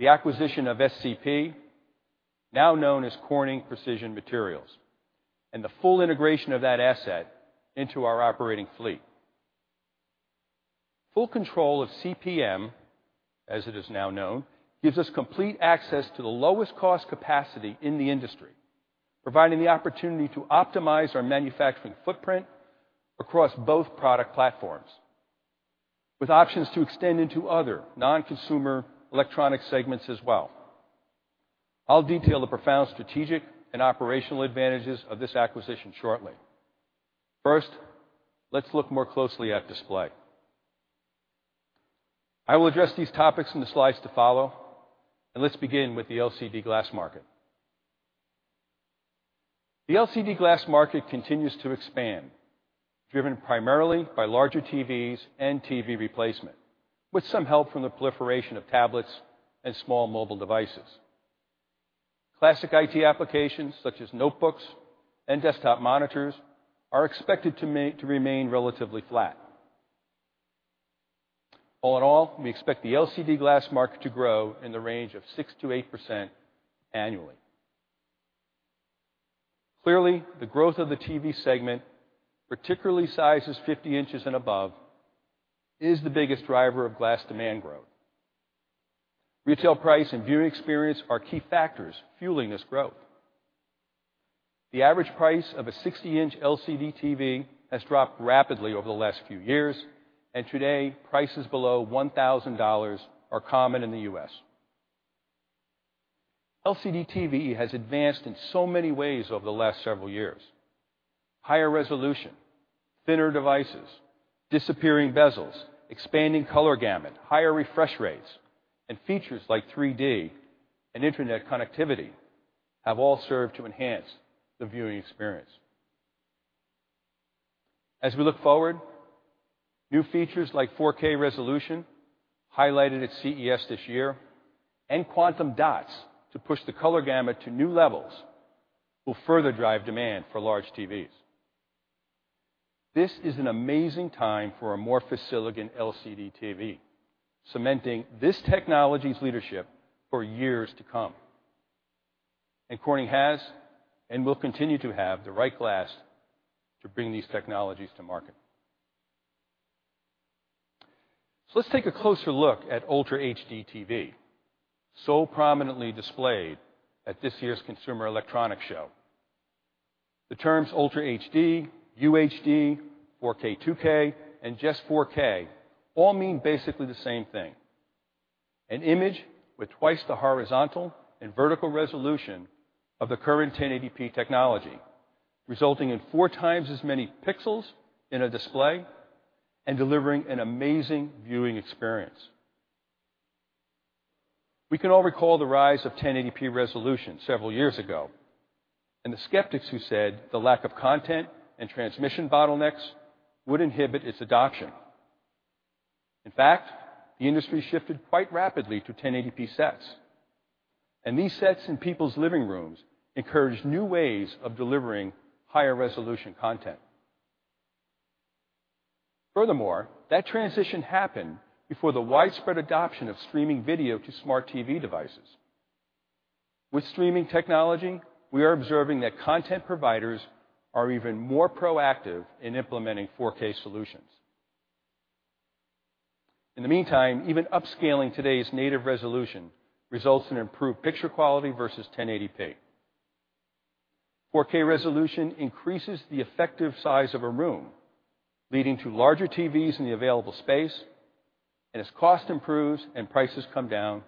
the acquisition of SCP, now known as Corning Precision Materials, and the full integration of that asset into our operating fleet. Full control of CPM, as it is now known, gives us complete access to the lowest cost capacity in the industry, providing the opportunity to optimize our manufacturing footprint across both product platforms with options to extend into other non-consumer electronic segments as well. I'll detail the profound strategic and operational advantages of this acquisition shortly. First, let's look more closely at display. I will address these topics in the slides to follow. Let's begin with the LCD glass market. The LCD glass market continues to expand, driven primarily by larger TVs and TV replacement, with some help from the proliferation of tablets and small mobile devices. Classic IT applications such as notebooks and desktop monitors are expected to remain relatively flat. All in all, we expect the LCD glass market to grow in the range of 6%-8% annually. Clearly, the growth of the TV segment, particularly sizes 50 inches and above, is the biggest driver of glass demand growth. Retail price and viewing experience are key factors fueling this growth. The average price of a 60-inch LCD TV has dropped rapidly over the last few years, and today prices below $1,000 are common in the U.S. LCD TV has advanced in so many ways over the last several years. Higher resolution, thinner devices, disappearing bezels, expanding color gamut, higher refresh rates, and features like 3D and internet connectivity have all served to enhance the viewing experience. As we look forward, new features like 4K resolution, highlighted at CES this year, and Quantum Dots to push the color gamut to new levels, will further drive demand for large TVs. This is an amazing time for amorphous silicon LCD TV, cementing this technology's leadership for years to come. Corning has and will continue to have the right glass to bring these technologies to market. Let's take a closer look at Ultra HD TV, so prominently displayed at this year's Consumer Electronics Show. The terms Ultra HD, UHD, 4K2K, and just 4K all mean basically the same thing. An image with twice the horizontal and vertical resolution of the current 1080p technology, resulting in four times as many pixels in a display and delivering an amazing viewing experience. We can all recall the rise of 1080p resolution several years ago, and the skeptics who said the lack of content and transmission bottlenecks would inhibit its adoption. In fact, the industry shifted quite rapidly to 1080p sets. These sets in people's living rooms encouraged new ways of delivering higher resolution content. Furthermore, that transition happened before the widespread adoption of streaming video to smart TV devices. With streaming technology, we are observing that content providers are even more proactive in implementing 4K solutions. In the meantime, even upscaling today's native resolution results in improved picture quality versus 1080p. 4K resolution increases the effective size of a room, leading to larger TVs in the available space, as cost improves and prices come down,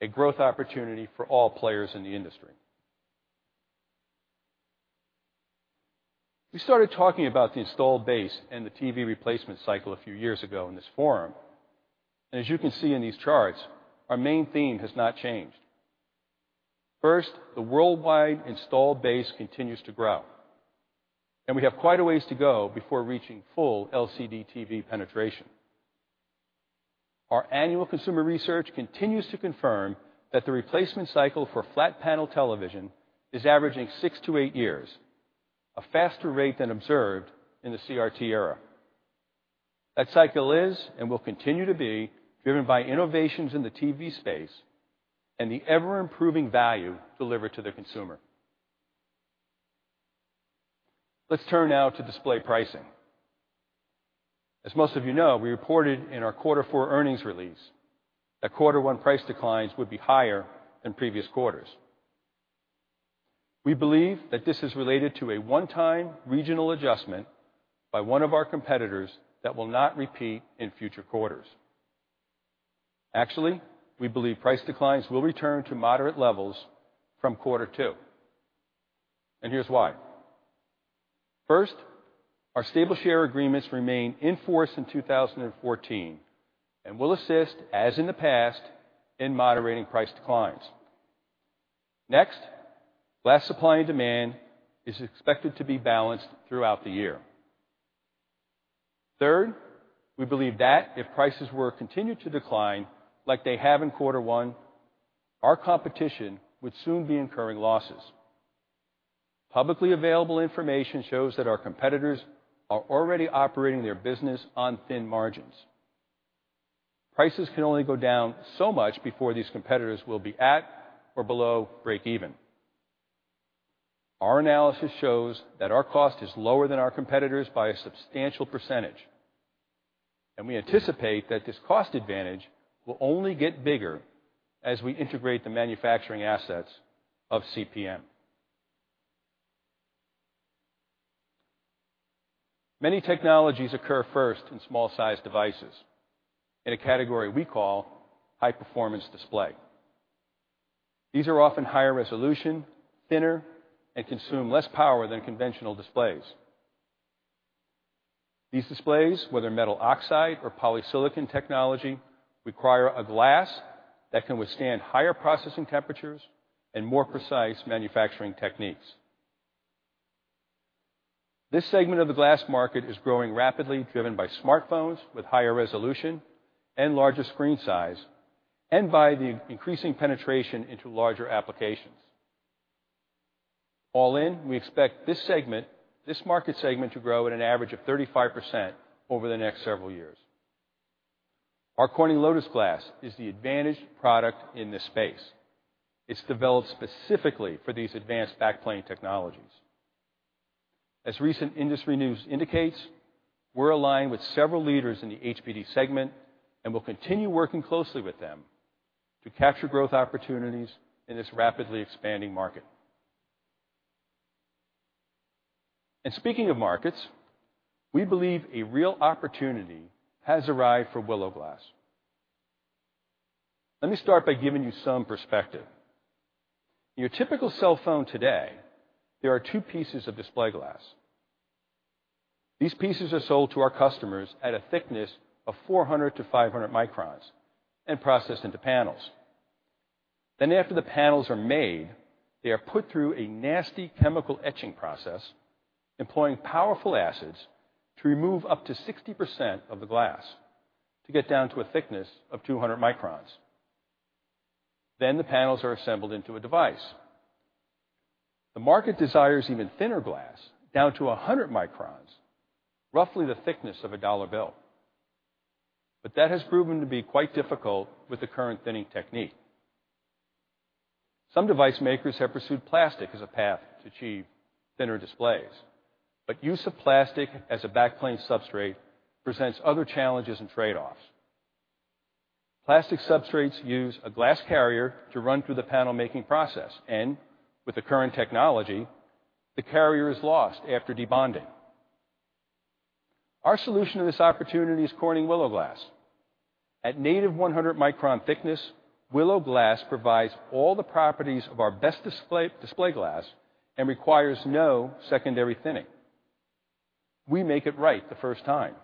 a growth opportunity for all players in the industry. We started talking about the installed base and the TV replacement cycle a few years ago in this forum, as you can see in these charts, our main theme has not changed. First, the worldwide installed base continues to grow, we have quite a ways to go before reaching full LCD TV penetration. Our annual consumer research continues to confirm that the replacement cycle for flat panel television is averaging six to eight years, a faster rate than observed in the CRT era. That cycle is and will continue to be driven by innovations in the TV space and the ever-improving value delivered to the consumer. Let's turn now to display pricing. As most of you know, we reported in our Quarter four earnings release that Quarter one price declines would be higher than previous quarters. We believe that this is related to a one-time regional adjustment by one of our competitors that will not repeat in future quarters. Actually, we believe price declines will return to moderate levels from Quarter two. Here's why. First, our stable share agreements remain in force in 2014 and will assist, as in the past, in moderating price declines. Next, glass supply and demand is expected to be balanced throughout the year. Third, we believe that if prices were to continue to decline like they have in Quarter one, our competition would soon be incurring losses. Publicly available information shows that our competitors are already operating their business on thin margins. Prices can only go down so much before these competitors will be at or below break even. Our analysis shows that our cost is lower than our competitors by a substantial percentage, we anticipate that this cost advantage will only get bigger as we integrate the manufacturing assets of CPM. Many technologies occur first in small-sized devices in a category we call high-performance display. These are often higher resolution, thinner, and consume less power than conventional displays. These displays, whether metal oxide or polysilicon technology, require a glass that can withstand higher processing temperatures and more precise manufacturing techniques. This segment of the glass market is growing rapidly, driven by smartphones with higher resolution and larger screen size, and by the increasing penetration into larger applications. All in, we expect this market segment to grow at an average of 35% over the next several years. Our Corning Lotus Glass is the advantage product in this space. It's developed specifically for these advanced backplane technologies. As recent industry news indicates, we're aligned with several leaders in the HPD segment and will continue working closely with them to capture growth opportunities in this rapidly expanding market. Speaking of markets, we believe a real opportunity has arrived for Willow Glass. Let me start by giving you some perspective. In your typical cell phone today, there are two pieces of display glass. These pieces are sold to our customers at a thickness of 400 to 500 microns and processed into panels. After the panels are made, they are put through a nasty chemical etching process employing powerful acids to remove up to 60% of the glass to get down to a thickness of 200 microns. The panels are assembled into a device. The market desires even thinner glass, down to 100 microns, roughly the thickness of a dollar bill. That has proven to be quite difficult with the current thinning technique. Some device makers have pursued plastic as a path to achieve thinner displays, but use of plastic as a backplane substrate presents other challenges and trade-offs. Plastic substrates use a glass carrier to run through the panel-making process, with the current technology, the carrier is lost after debonding. Our solution to this opportunity is Corning Willow Glass. At native 100-micron thickness, Willow Glass provides all the properties of our best display glass and requires no secondary thinning. We make it right the first time.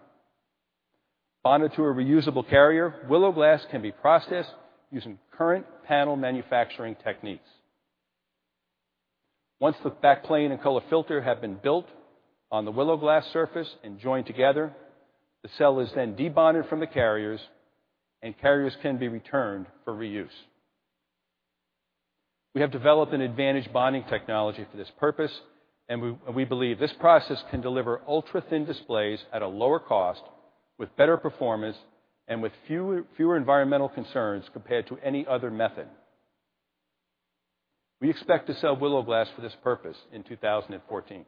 Bonded to a reusable carrier, Willow Glass can be processed using current panel manufacturing techniques. Once the back plane and color filter have been built on the Willow Glass surface and joined together, the cell is then debonded from the carriers can be returned for reuse. We have developed an advantage bonding technology for this purpose, we believe this process can deliver ultra-thin displays at a lower cost with better performance and with fewer environmental concerns compared to any other method. We expect to sell Willow Glass for this purpose in 2014.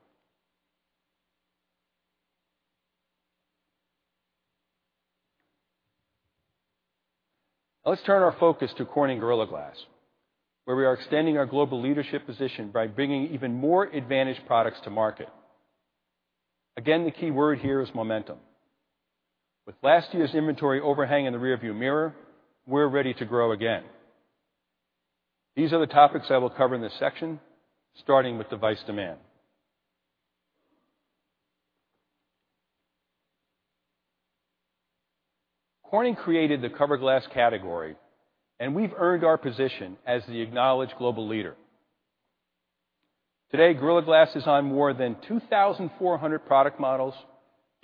Let's turn our focus to Corning Gorilla Glass, where we are extending our global leadership position by bringing even more advantage products to market. Again, the key word here is momentum. With last year's inventory overhang in the rearview mirror, we're ready to grow again. These are the topics I will cover in this section, starting with device demand. Corning created the cover glass category, we've earned our position as the acknowledged global leader. Today, Gorilla Glass is on more than 2,400 product models,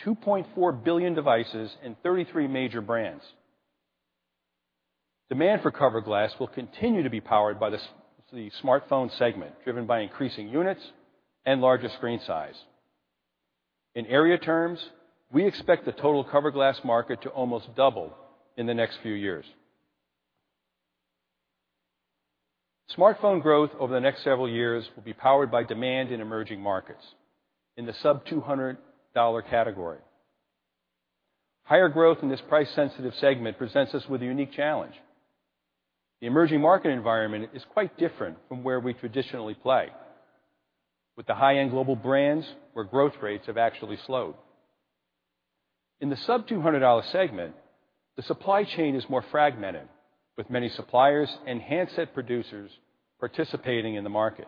2.4 billion devices, and 33 major brands. Demand for cover glass will continue to be powered by the smartphone segment, driven by increasing units and larger screen size. In area terms, we expect the total cover glass market to almost double in the next few years. Smartphone growth over the next several years will be powered by demand in emerging markets in the sub-$200 category. Higher growth in this price-sensitive segment presents us with a unique challenge. The emerging market environment is quite different from where we traditionally play. With the high-end global brands where growth rates have actually slowed. In the sub-$200 segment, the supply chain is more fragmented, with many suppliers and handset producers participating in the market.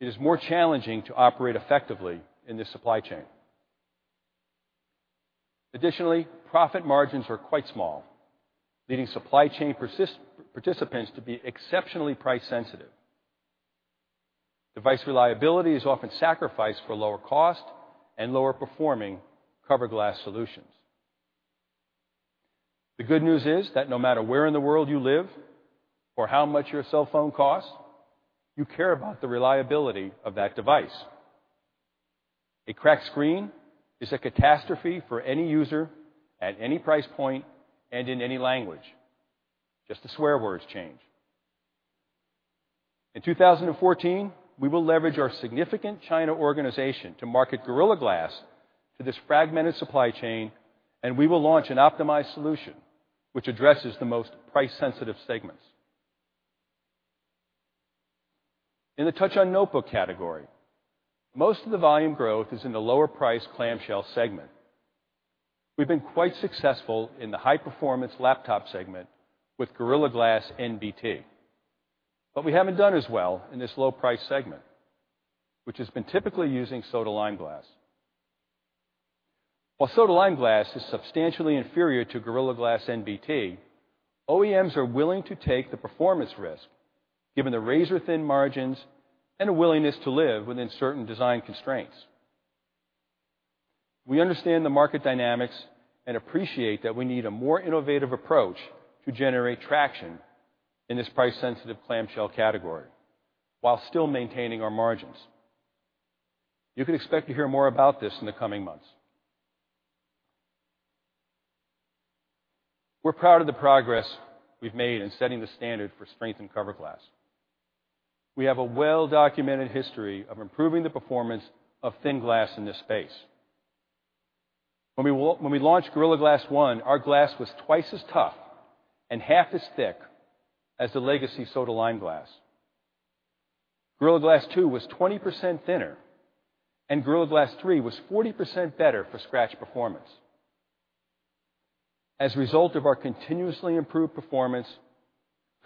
It is more challenging to operate effectively in this supply chain. Additionally, profit margins are quite small, leading supply chain participants to be exceptionally price sensitive. Device reliability is often sacrificed for lower cost and lower-performing cover glass solutions. The good news is that no matter where in the world you live or how much your cell phone costs, you care about the reliability of that device. A cracked screen is a catastrophe for any user at any price point and in any language. Just the swear words change. In 2014, we will leverage our significant China organization to market Gorilla Glass to this fragmented supply chain. We will launch an optimized solution, which addresses the most price-sensitive segments. In the touch on notebook category, most of the volume growth is in the lower-priced clamshell segment. We've been quite successful in the high-performance laptop segment with Gorilla Glass NBT. What we haven't done as well in this low-price segment, which has been typically using soda-lime glass. While soda-lime glass is substantially inferior to Gorilla Glass NBT, OEMs are willing to take the performance risk given the razor-thin margins and a willingness to live within certain design constraints. We understand the market dynamics and appreciate that we need a more innovative approach to generate traction in this price-sensitive clamshell category while still maintaining our margins. You can expect to hear more about this in the coming months. We're proud of the progress we've made in setting the standard for strength and cover glass. We have a well-documented history of improving the performance of thin glass in this space. When we launched Gorilla Glass 1, our glass was twice as tough and half as thick as the legacy soda-lime glass. Gorilla Glass 2 was 20% thinner. Gorilla Glass 3 was 40% better for scratch performance. As a result of our continuously improved performance,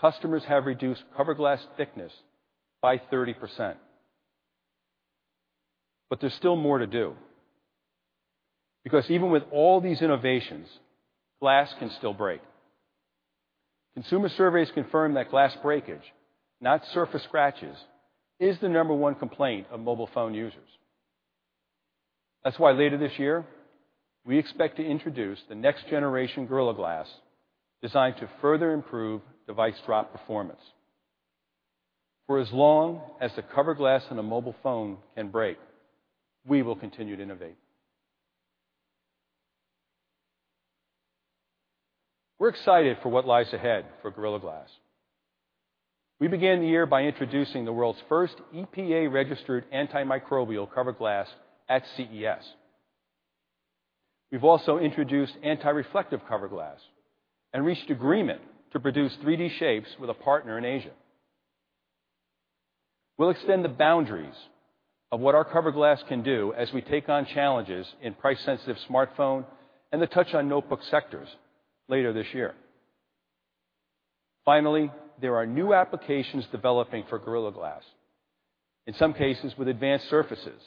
customers have reduced cover glass thickness by 30%. There's still more to do, because even with all these innovations, glass can still break. Consumer surveys confirm that glass breakage, not surface scratches, is the number 1 complaint of mobile phone users. That's why later this year, we expect to introduce the next generation Gorilla Glass, designed to further improve device drop performance. For as long as the cover glass on a mobile phone can break, we will continue to innovate. We're excited for what lies ahead for Gorilla Glass. We began the year by introducing the world's first EPA-registered antimicrobial cover glass at CES. We've also introduced anti-reflective cover glass and reached agreement to produce 3D shapes with a partner in Asia. We'll extend the boundaries of what our cover glass can do as we take on challenges in price-sensitive smartphone and the touch on notebook sectors later this year. There are new applications developing for Gorilla Glass, in some cases with advanced surfaces,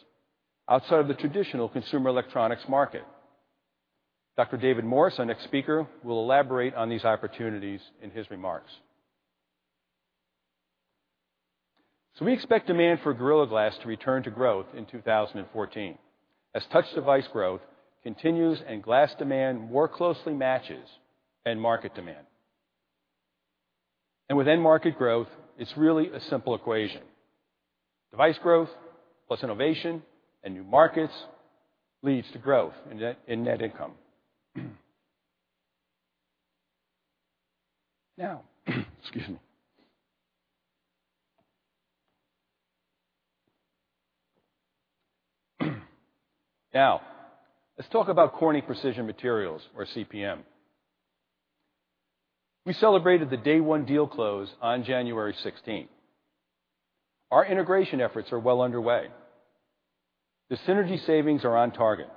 outside of the traditional consumer electronics market. Dr. David Morse, our next speaker, will elaborate on these opportunities in his remarks. We expect demand for Gorilla Glass to return to growth in 2014 as touch device growth continues and glass demand more closely matches end market demand. With end market growth, it's really a simple equation. Device growth, plus innovation and new markets, leads to growth in net income. Now excuse me. Now, let's talk about Corning Precision Materials, or CPM. We celebrated the day one deal close on January 16th. Our integration efforts are well underway. The synergy savings are on target.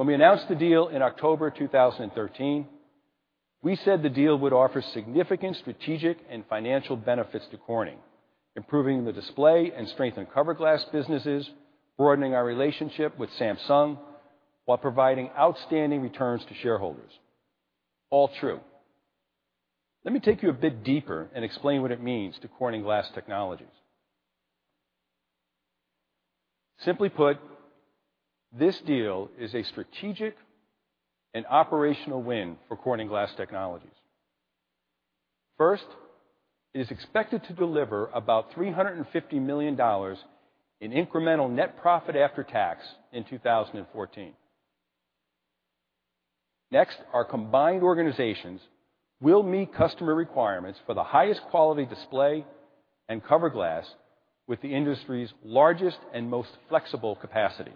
When we announced the deal in October 2013, we said the deal would offer significant strategic and financial benefits to Corning, improving the display and strength in cover glass businesses, broadening our relationship with Samsung, while providing outstanding returns to shareholders. All true. Let me take you a bit deeper and explain what it means to Corning Glass Technologies. Simply put, this deal is a strategic and operational win for Corning Glass Technologies. First, it is expected to deliver about $350 million in incremental net profit after tax in 2014. Next, our combined organizations will meet customer requirements for the highest quality display and cover glass with the industry's largest and most flexible capacity.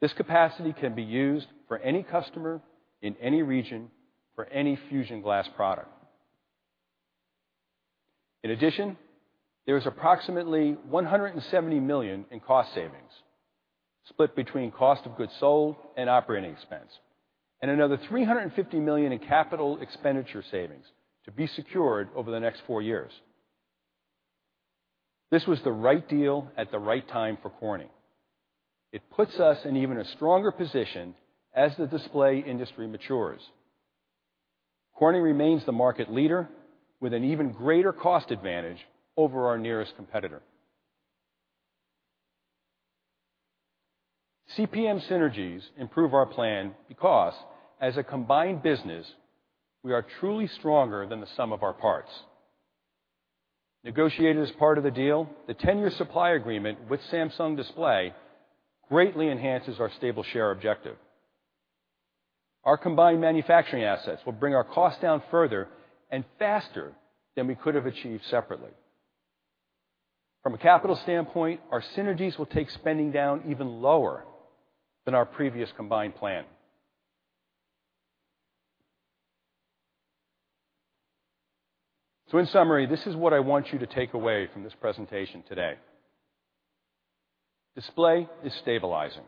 This capacity can be used for any customer in any region for any Fusion glass product. In addition, there is approximately $170 million in cost savings, split between cost of goods sold and operating expense, and another $350 million in capital expenditure savings to be secured over the next four years. This was the right deal at the right time for Corning. It puts us in even a stronger position as the display industry matures. Corning remains the market leader with an even greater cost advantage over our nearest competitor. CPM synergies improve our plan because, as a combined business, we are truly stronger than the sum of our parts. Negotiated as part of the deal, the 10-year supply agreement with Samsung Display greatly enhances our stable share objective. Our combined manufacturing assets will bring our cost down further and faster than we could have achieved separately. From a capital standpoint, our synergies will take spending down even lower than our previous combined plan. In summary, this is what I want you to take away from this presentation today. Display is stabilizing.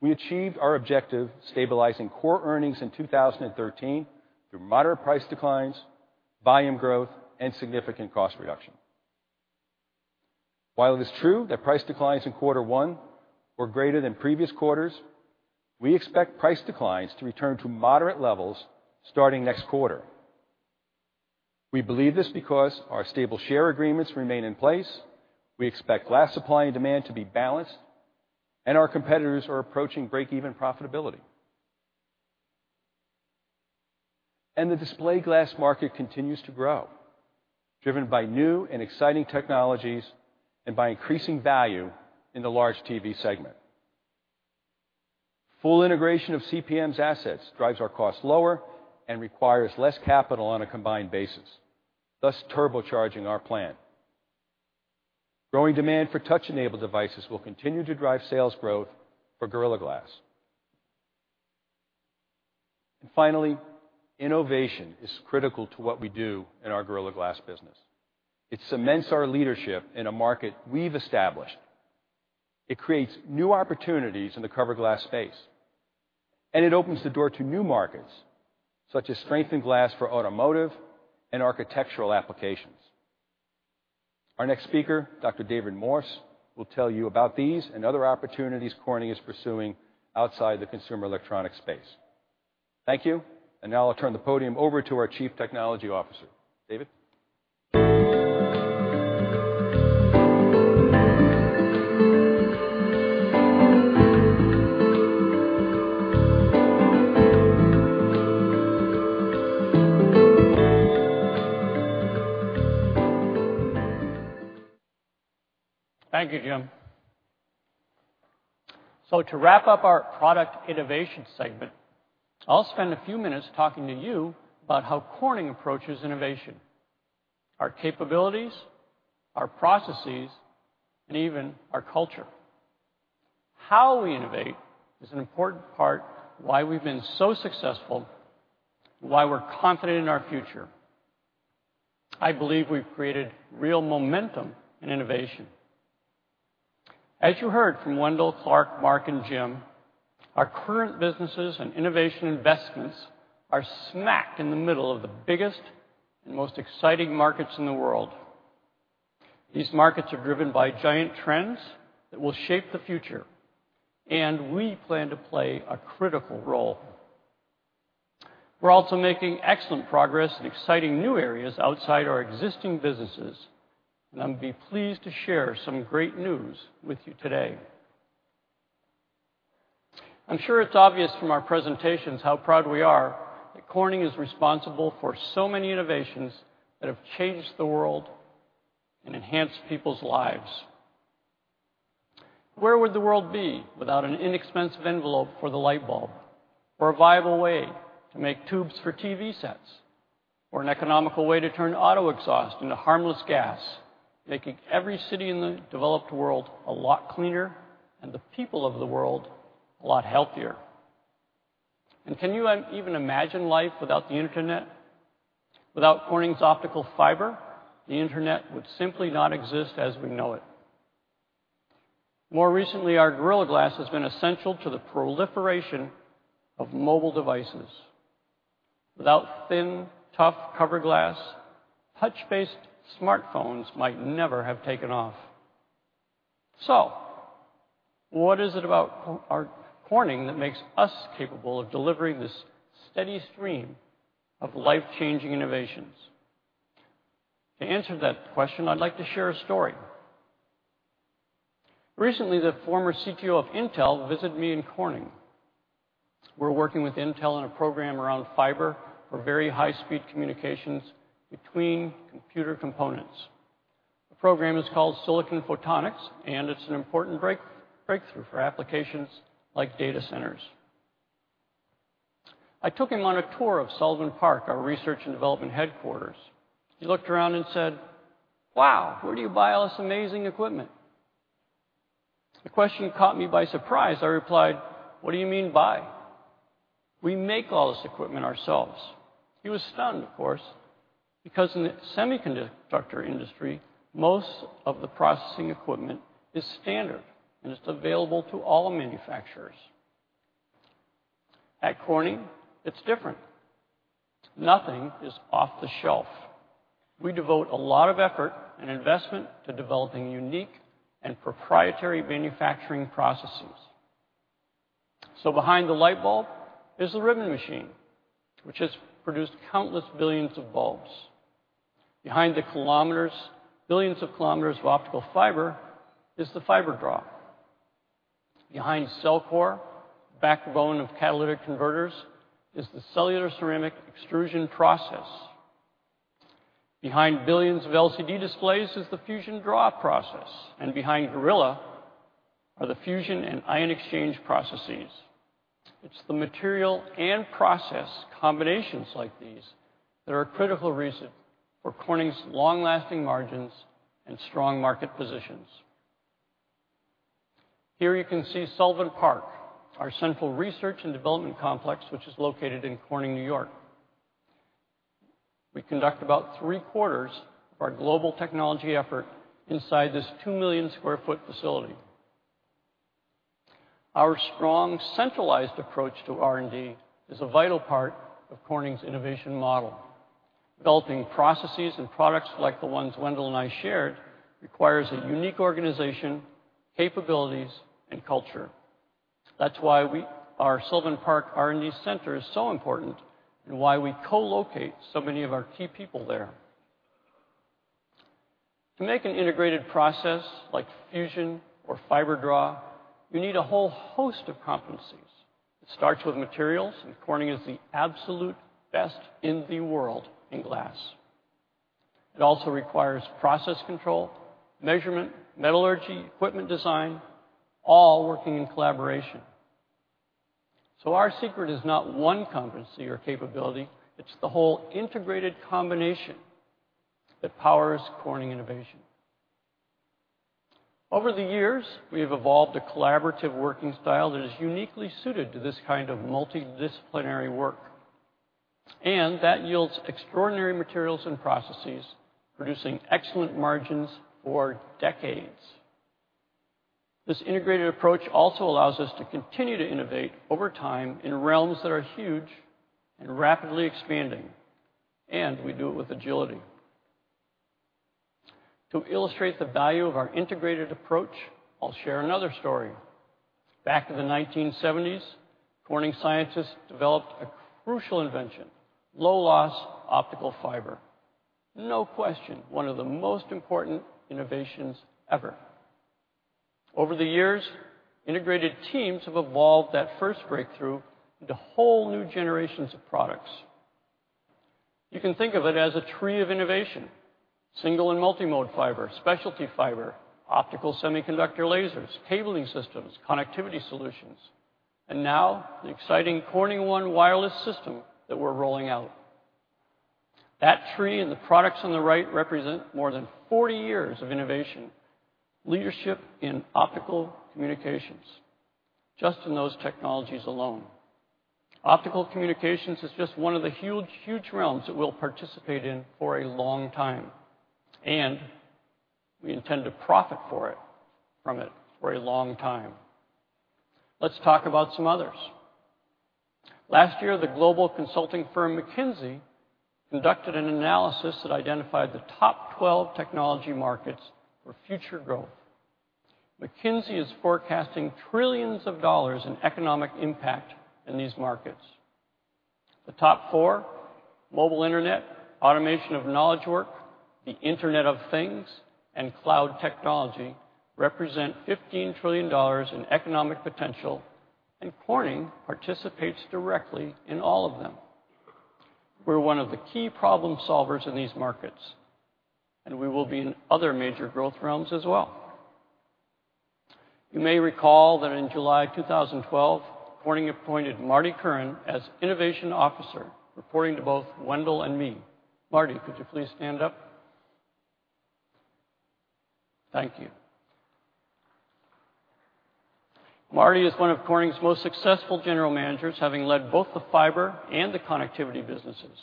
We achieved our objective stabilizing core earnings in 2013 through moderate price declines, volume growth, and significant cost reduction. While it is true that price declines in quarter one were greater than previous quarters, we expect price declines to return to moderate levels starting next quarter. We believe this because our stable share agreements remain in place, we expect glass supply and demand to be balanced, and our competitors are approaching break-even profitability. The display glass market continues to grow, driven by new and exciting technologies and by increasing value in the large TV segment. Full integration of CPM's assets drives our costs lower and requires less capital on a combined basis, thus turbocharging our plan. Growing demand for touch-enabled devices will continue to drive sales growth for Gorilla Glass. Finally, innovation is critical to what we do in our Gorilla Glass business. It cements our leadership in a market we've established. It creates new opportunities in the cover glass space. It opens the door to new markets, such as strengthened glass for automotive and architectural applications. Our next speaker, David Morse, will tell you about these and other opportunities Corning is pursuing outside the consumer electronics space. Thank you. Now I'll turn the podium over to our Chief Technology Officer. David? Thank you, Jim. To wrap up our product innovation segment, I'll spend a few minutes talking to you about how Corning approaches innovation, our capabilities, our processes, and even our culture. How we innovate is an important part why we've been so successful, why we're confident in our future. I believe we've created real momentum in innovation. As you heard from Wendell, Clark, Mark, and Jim, our current businesses and innovation investments are smack in the middle of the biggest and most exciting markets in the world. These markets are driven by giant trends that will shape the future. We plan to play a critical role. We're also making excellent progress in exciting new areas outside our existing businesses. I'm going to be pleased to share some great news with you today. I'm sure it's obvious from our presentations how proud we are that Corning is responsible for so many innovations that have changed the world and enhanced people's lives. Where would the world be without an inexpensive envelope for the light bulb or a viable way to make tubes for TV sets or an economical way to turn auto exhaust into harmless gas, making every city in the developed world a lot cleaner and the people of the world a lot healthier? Can you even imagine life without the internet? Without Corning's optical fiber, the internet would simply not exist as we know it. More recently, our Gorilla Glass has been essential to the proliferation of mobile devices. Without thin, tough cover glass, touch-based smartphones might never have taken off. What is it about Corning that makes us capable of delivering this steady stream of life-changing innovations? To answer that question, I'd like to share a story. Recently, the former CTO of Intel visited me in Corning. We're working with Intel on a program around fiber for very high-speed communications between computer components. The program is called Silicon Photonics. It's an important breakthrough for applications like data centers. I took him on a tour of Sullivan Park, our research and development headquarters. He looked around and said, "Wow, where do you buy all this amazing equipment?" The question caught me by surprise. I replied, "What do you mean buy? We make all this equipment ourselves." He was stunned, of course, because in the semiconductor industry, most of the processing equipment is standard. It's available to all manufacturers. At Corning, it's different. Nothing is off the shelf. We devote a lot of effort and investment to developing unique and proprietary manufacturing processes. Behind the light bulb is the ribbon machine, which has produced countless billions of bulbs. Behind the billions of kilometers of optical fiber is the fiber draw. Behind Celcor, backbone of catalytic converters, is the cellular ceramic extrusion process. Behind billions of LCD displays is the fusion draw process, and behind Gorilla are the fusion and ion exchange processes. It is the material and process combinations like these that are a critical reason for Corning’s long-lasting margins and strong market positions. Here you can see Sullivan Park, our central research and development complex, which is located in Corning, N.Y. We conduct about three-quarters of our global technology effort inside this 2 million square foot facility. Our strong centralized approach to R&D is a vital part of Corning’s innovation model. Developing processes and products like the ones Wendell and I shared requires a unique organization, capabilities, and culture. That is why our Sullivan Park R&D center is so important and why we co-locate so many of our key people there. To make an integrated process like fusion or fiber draw, you need a whole host of competencies. It starts with materials, and Corning is the absolute best in the world in glass. It also requires process control, measurement, metallurgy, equipment design, all working in collaboration. Our secret is not one competency or capability, it is the whole integrated combination that powers Corning innovation. Over the years, we have evolved a collaborative working style that is uniquely suited to this kind of multidisciplinary work, and that yields extraordinary materials and processes, producing excellent margins for decades. This integrated approach also allows us to continue to innovate over time in realms that are huge and rapidly expanding, and we do it with agility. To illustrate the value of our integrated approach, I will share another story. Back in the 1970s, Corning scientists developed a crucial invention, low-loss optical fiber. No question, one of the most important innovations ever. Over the years, integrated teams have evolved that first breakthrough into whole new generations of products. You can think of it as a tree of innovation, single and multi-mode fiber, specialty fiber, optical semiconductor lasers, cabling systems, connectivity solutions, and now the exciting Corning ONE Wireless Platform that we are rolling out. That tree and the products on the right represent more than 40 years of innovation, leadership in optical communications, just in those technologies alone. Optical communications is just one of the huge realms that we will participate in for a long time, and we intend to profit from it for a long time. Let us talk about some others. Last year, the global consulting firm McKinsey conducted an analysis that identified the top 12 technology markets for future growth. McKinsey is forecasting trillions of dollars in economic impact in these markets. The top four, mobile internet, automation of knowledge work, the Internet of Things, and cloud technology, represent $15 trillion in economic potential, and Corning participates directly in all of them. We are one of the key problem solvers in these markets, and we will be in other major growth realms as well. You may recall that in July 2012, Corning appointed Marty Curran as Innovation Officer, reporting to both Wendell and me. Marty, could you please stand up? Thank you. Marty is one of Corning’s most successful general managers, having led both the fiber and the connectivity businesses.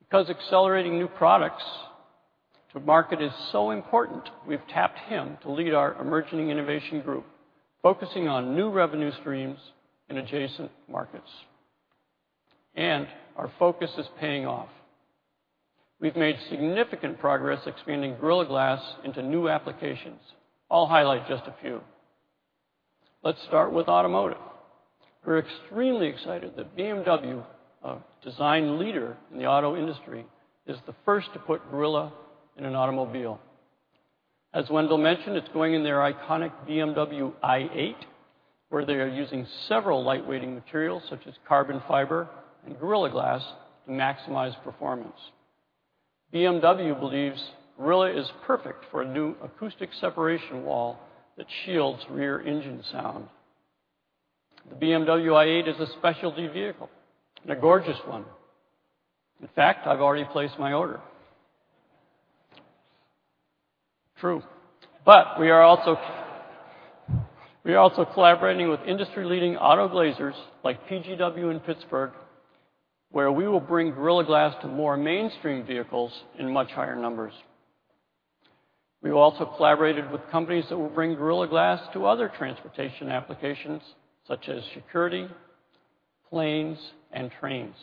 Because accelerating new products to market is so important, we've tapped him to lead our emerging innovation group, focusing on new revenue streams in adjacent markets. Our focus is paying off. We've made significant progress expanding Gorilla Glass into new applications. I'll highlight just a few. Let's start with automotive. We're extremely excited that BMW, a design leader in the auto industry, is the first to put Gorilla in an automobile. As Wendell mentioned, it's going in their iconic BMW i8, where they are using several lightweighting materials such as carbon fiber and Gorilla Glass to maximize performance. BMW believes Gorilla is perfect for a new acoustic separation wall that shields rear engine sound. The BMW i8 is a specialty vehicle, and a gorgeous one. In fact, I've already placed my order. True. We are also collaborating with industry-leading auto glazers like PGW in Pittsburgh, where we will bring Gorilla Glass to more mainstream vehicles in much higher numbers. We've also collaborated with companies that will bring Gorilla Glass to other transportation applications such as security, planes, and trains.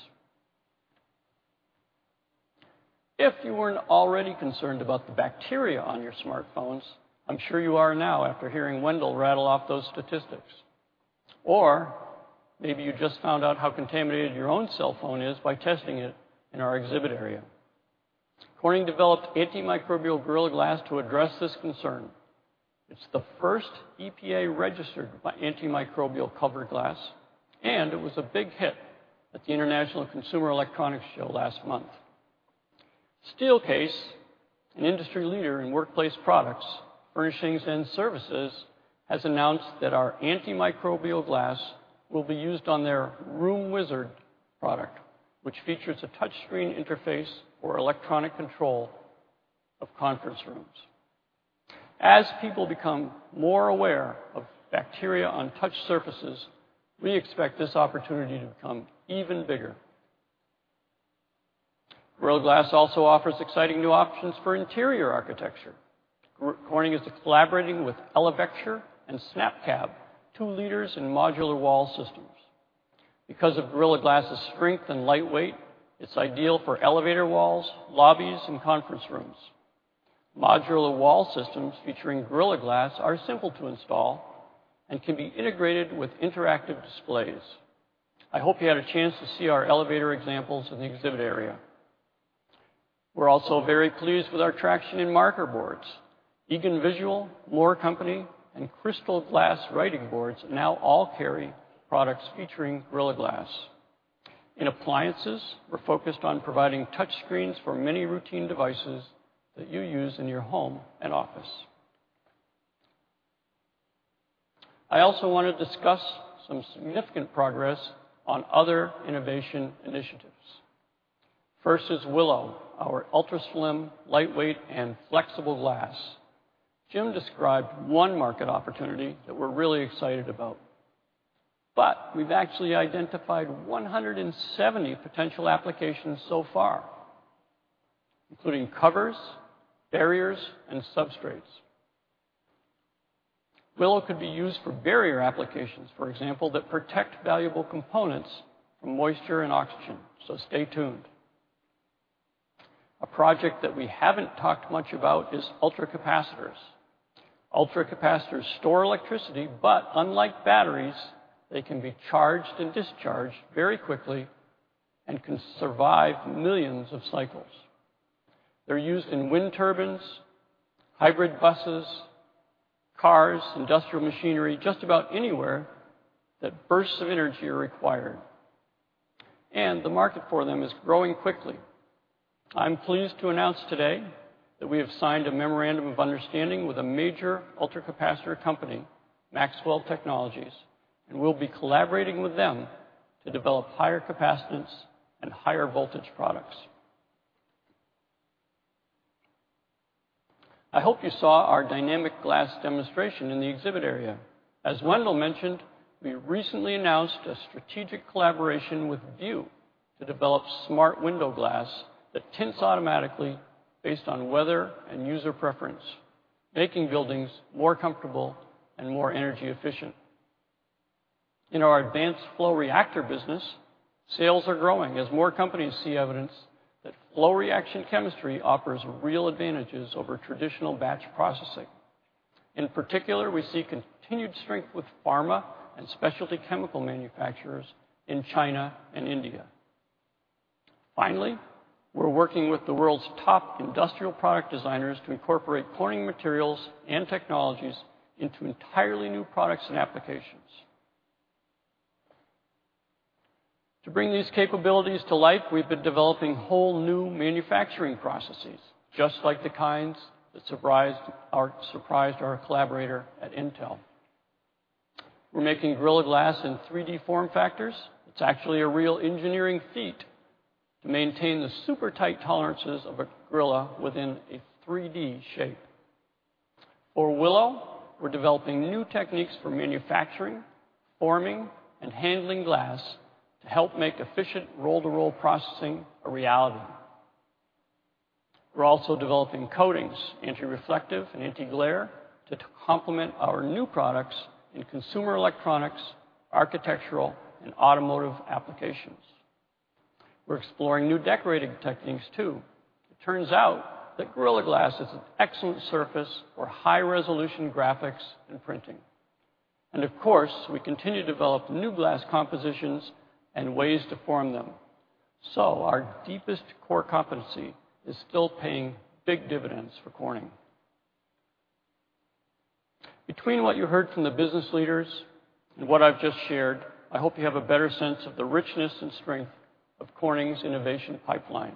If you weren't already concerned about the bacteria on your smartphones, I'm sure you are now after hearing Wendell rattle off those statistics. Or maybe you just found out how contaminated your own cell phone is by testing it in our exhibit area. Corning developed Antimicrobial Gorilla Glass to address this concern. It's the first EPA-registered antimicrobial cover glass, and it was a big hit at the International Consumer Electronics Show last month. Steelcase, an industry leader in workplace products, furnishings, and services, has announced that our antimicrobial glass will be used on their RoomWizard product, which features a touch screen interface for electronic control of conference rooms. As people become more aware of bacteria on touch surfaces, we expect this opportunity to become even bigger. Gorilla Glass also offers exciting new options for interior architecture. Corning is collaborating with Elevecture and SnapCab, two leaders in modular wall systems. Because of Gorilla Glass's strength and light weight, it's ideal for elevator walls, lobbies, and conference rooms. Modular wall systems featuring Gorilla Glass are simple to install and can be integrated with interactive displays. I hope you had a chance to see our elevator examples in the exhibit area. We're also very pleased with our traction in marker boards. Egan Visual, MooreCo, and Crystal Glass Writing Boards now all carry products featuring Gorilla Glass. In appliances, we're focused on providing touch screens for many routine devices that you use in your home and office. I also want to discuss some significant progress on other innovation initiatives. First is Willow, our ultra slim, lightweight, and flexible glass. Jim described one market opportunity that we're really excited about. We've actually identified 170 potential applications so far, including covers, barriers, and substrates. Willow could be used for barrier applications, for example, that protect valuable components from moisture and oxygen. Stay tuned. A project that we haven't talked much about is ultracapacitors. Ultracapacitors store electricity, but unlike batteries, they can be charged and discharged very quickly and can survive millions of cycles. They're used in wind turbines, hybrid buses, cars, industrial machinery, just about anywhere that bursts of energy are required. The market for them is growing quickly. I'm pleased to announce today that we have signed a memorandum of understanding with a major ultracapacitor company, Maxwell Technologies. We'll be collaborating with them to develop higher capacitance and higher voltage products. I hope you saw our dynamic glass demonstration in the exhibit area. As Wendell mentioned, we recently announced a strategic collaboration with View to develop smart window glass that tints automatically based on weather and user preference, making buildings more comfortable and more energy efficient. In our Advanced-Flow Reactor business, sales are growing as more companies see evidence that flow reaction chemistry offers real advantages over traditional batch processing. In particular, we see continued strength with pharma and specialty chemical manufacturers in China and India. Finally, we're working with the world's top industrial product designers to incorporate Corning materials and technologies into entirely new products and applications. To bring these capabilities to life, we've been developing whole new manufacturing processes, just like the kinds that surprised our collaborator at Intel. We're making Gorilla Glass in 3D form factors. It's actually a real engineering feat to maintain the super tight tolerances of a Gorilla within a 3D shape. For Willow, we're developing new techniques for manufacturing, forming, and handling glass to help make efficient roll-to-roll processing a reality. We're also developing coatings, anti-reflective and anti-glare, to complement our new products in consumer electronics, architectural, and automotive applications. We're exploring new decorating techniques, too. It turns out that Gorilla Glass is an excellent surface for high-resolution graphics and printing. Of course, we continue to develop new glass compositions and ways to form them. Our deepest core competency is still paying big dividends for Corning. Between what you heard from the business leaders and what I've just shared, I hope you have a better sense of the richness and strength of Corning's innovation pipeline.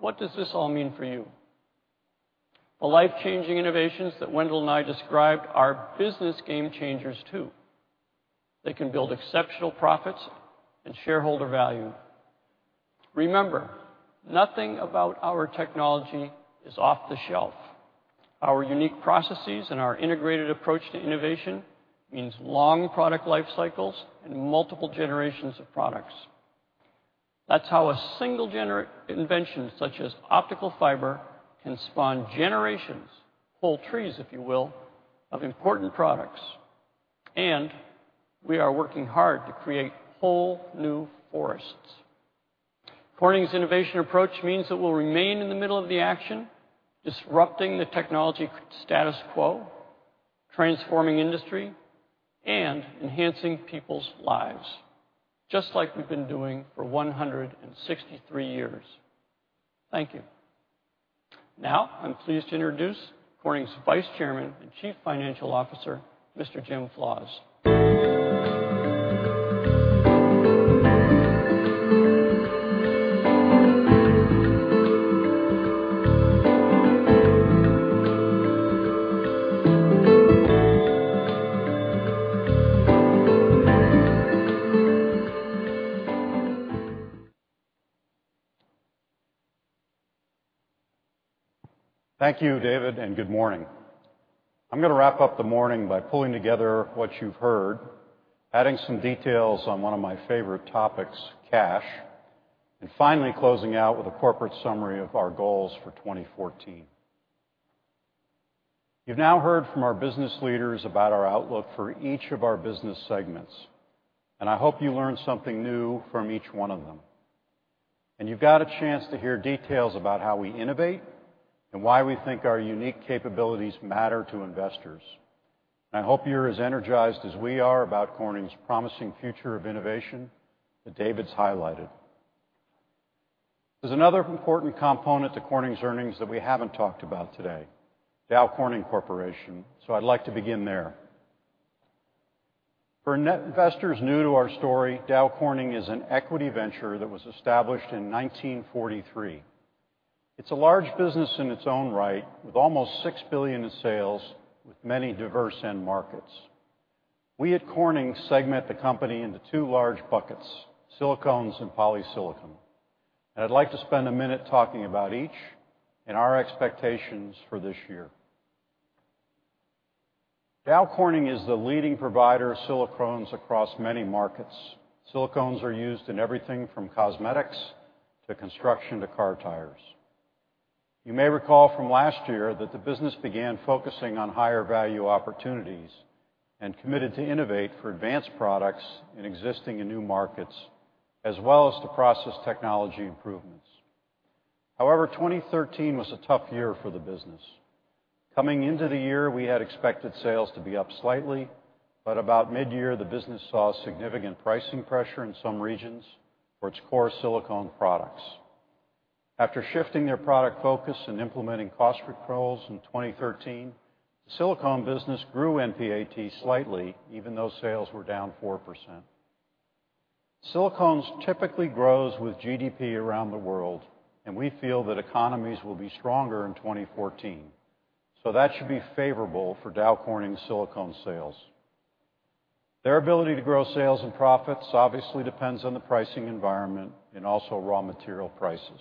What does this all mean for you? The life-changing innovations that Wendell and I described are business game changers, too. They can build exceptional profits and shareholder value. Remember, nothing about our technology is off the shelf. Our unique processes and our integrated approach to innovation means long product life cycles and multiple generations of products. That's how a single invention, such as optical fiber, can spawn generations, whole trees if you will, of important products. We are working hard to create whole new forests. Corning's innovation approach means it will remain in the middle of the action, disrupting the technology status quo, transforming industry, and enhancing people's lives, just like we've been doing for 163 years. Thank you. Now, I'm pleased to introduce Corning's Vice Chairman and Chief Financial Officer, Mr. Jim Flaws. Thank you, David, and good morning. I'm going to wrap up the morning by pulling together what you've heard, adding some details on one of my favorite topics, cash, and finally closing out with a corporate summary of our goals for 2014. You've now heard from our business leaders about our outlook for each of our business segments, I hope you learned something new from each one of them. You've got a chance to hear details about how we innovate and why we think our unique capabilities matter to investors. I hope you're as energized as we are about Corning's promising future of innovation that David's highlighted. There's another important component to Corning's earnings that we haven't talked about today, Dow Corning Corporation, so I'd like to begin there. For investors new to our story, Dow Corning is an equity venture that was established in 1943. It's a large business in its own right, with almost $6 billion in sales, with many diverse end markets. We at Corning segment the company into two large buckets, silicones and polysilicon. I'd like to spend a minute talking about each and our expectations for this year. Dow Corning is the leading provider of silicones across many markets. Silicones are used in everything from cosmetics to construction to car tires. You may recall from last year that the business began focusing on higher-value opportunities and committed to innovate for advanced products in existing and new markets, as well as to process technology improvements. However, 2013 was a tough year for the business. Coming into the year, we had expected sales to be up slightly, but about mid-year, the business saw significant pricing pressure in some regions for its core silicone products. After shifting their product focus and implementing cost controls in 2013, the silicone business grew NPAT slightly, even though sales were down 4%. Silicones typically grows with GDP around the world, we feel that economies will be stronger in 2014. That should be favorable for Dow Corning silicone sales. Their ability to grow sales and profits obviously depends on the pricing environment and also raw material prices.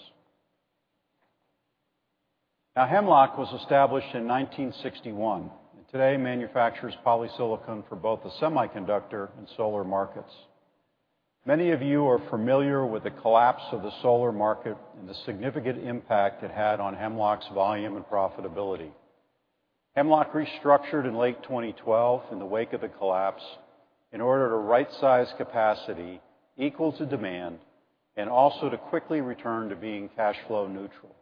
Hemlock was established in 1961, today manufactures polysilicon for both the semiconductor and solar markets. Many of you are familiar with the collapse of the solar market and the significant impact it had on Hemlock's volume and profitability. Hemlock restructured in late 2012 in the wake of the collapse in order to right-size capacity equal to demand and also to quickly return to being cash flow neutral.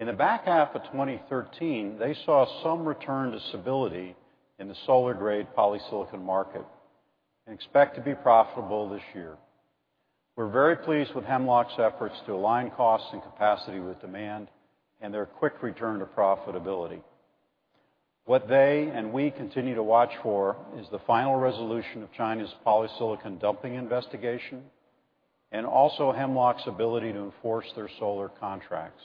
In the back half of 2013, they saw some return to stability in the solar grade polysilicon market and expect to be profitable this year. We're very pleased with Hemlock's efforts to align costs and capacity with demand and their quick return to profitability. What they and we continue to watch for is the final resolution of China's polysilicon dumping investigation and also Hemlock's ability to enforce their solar contracts.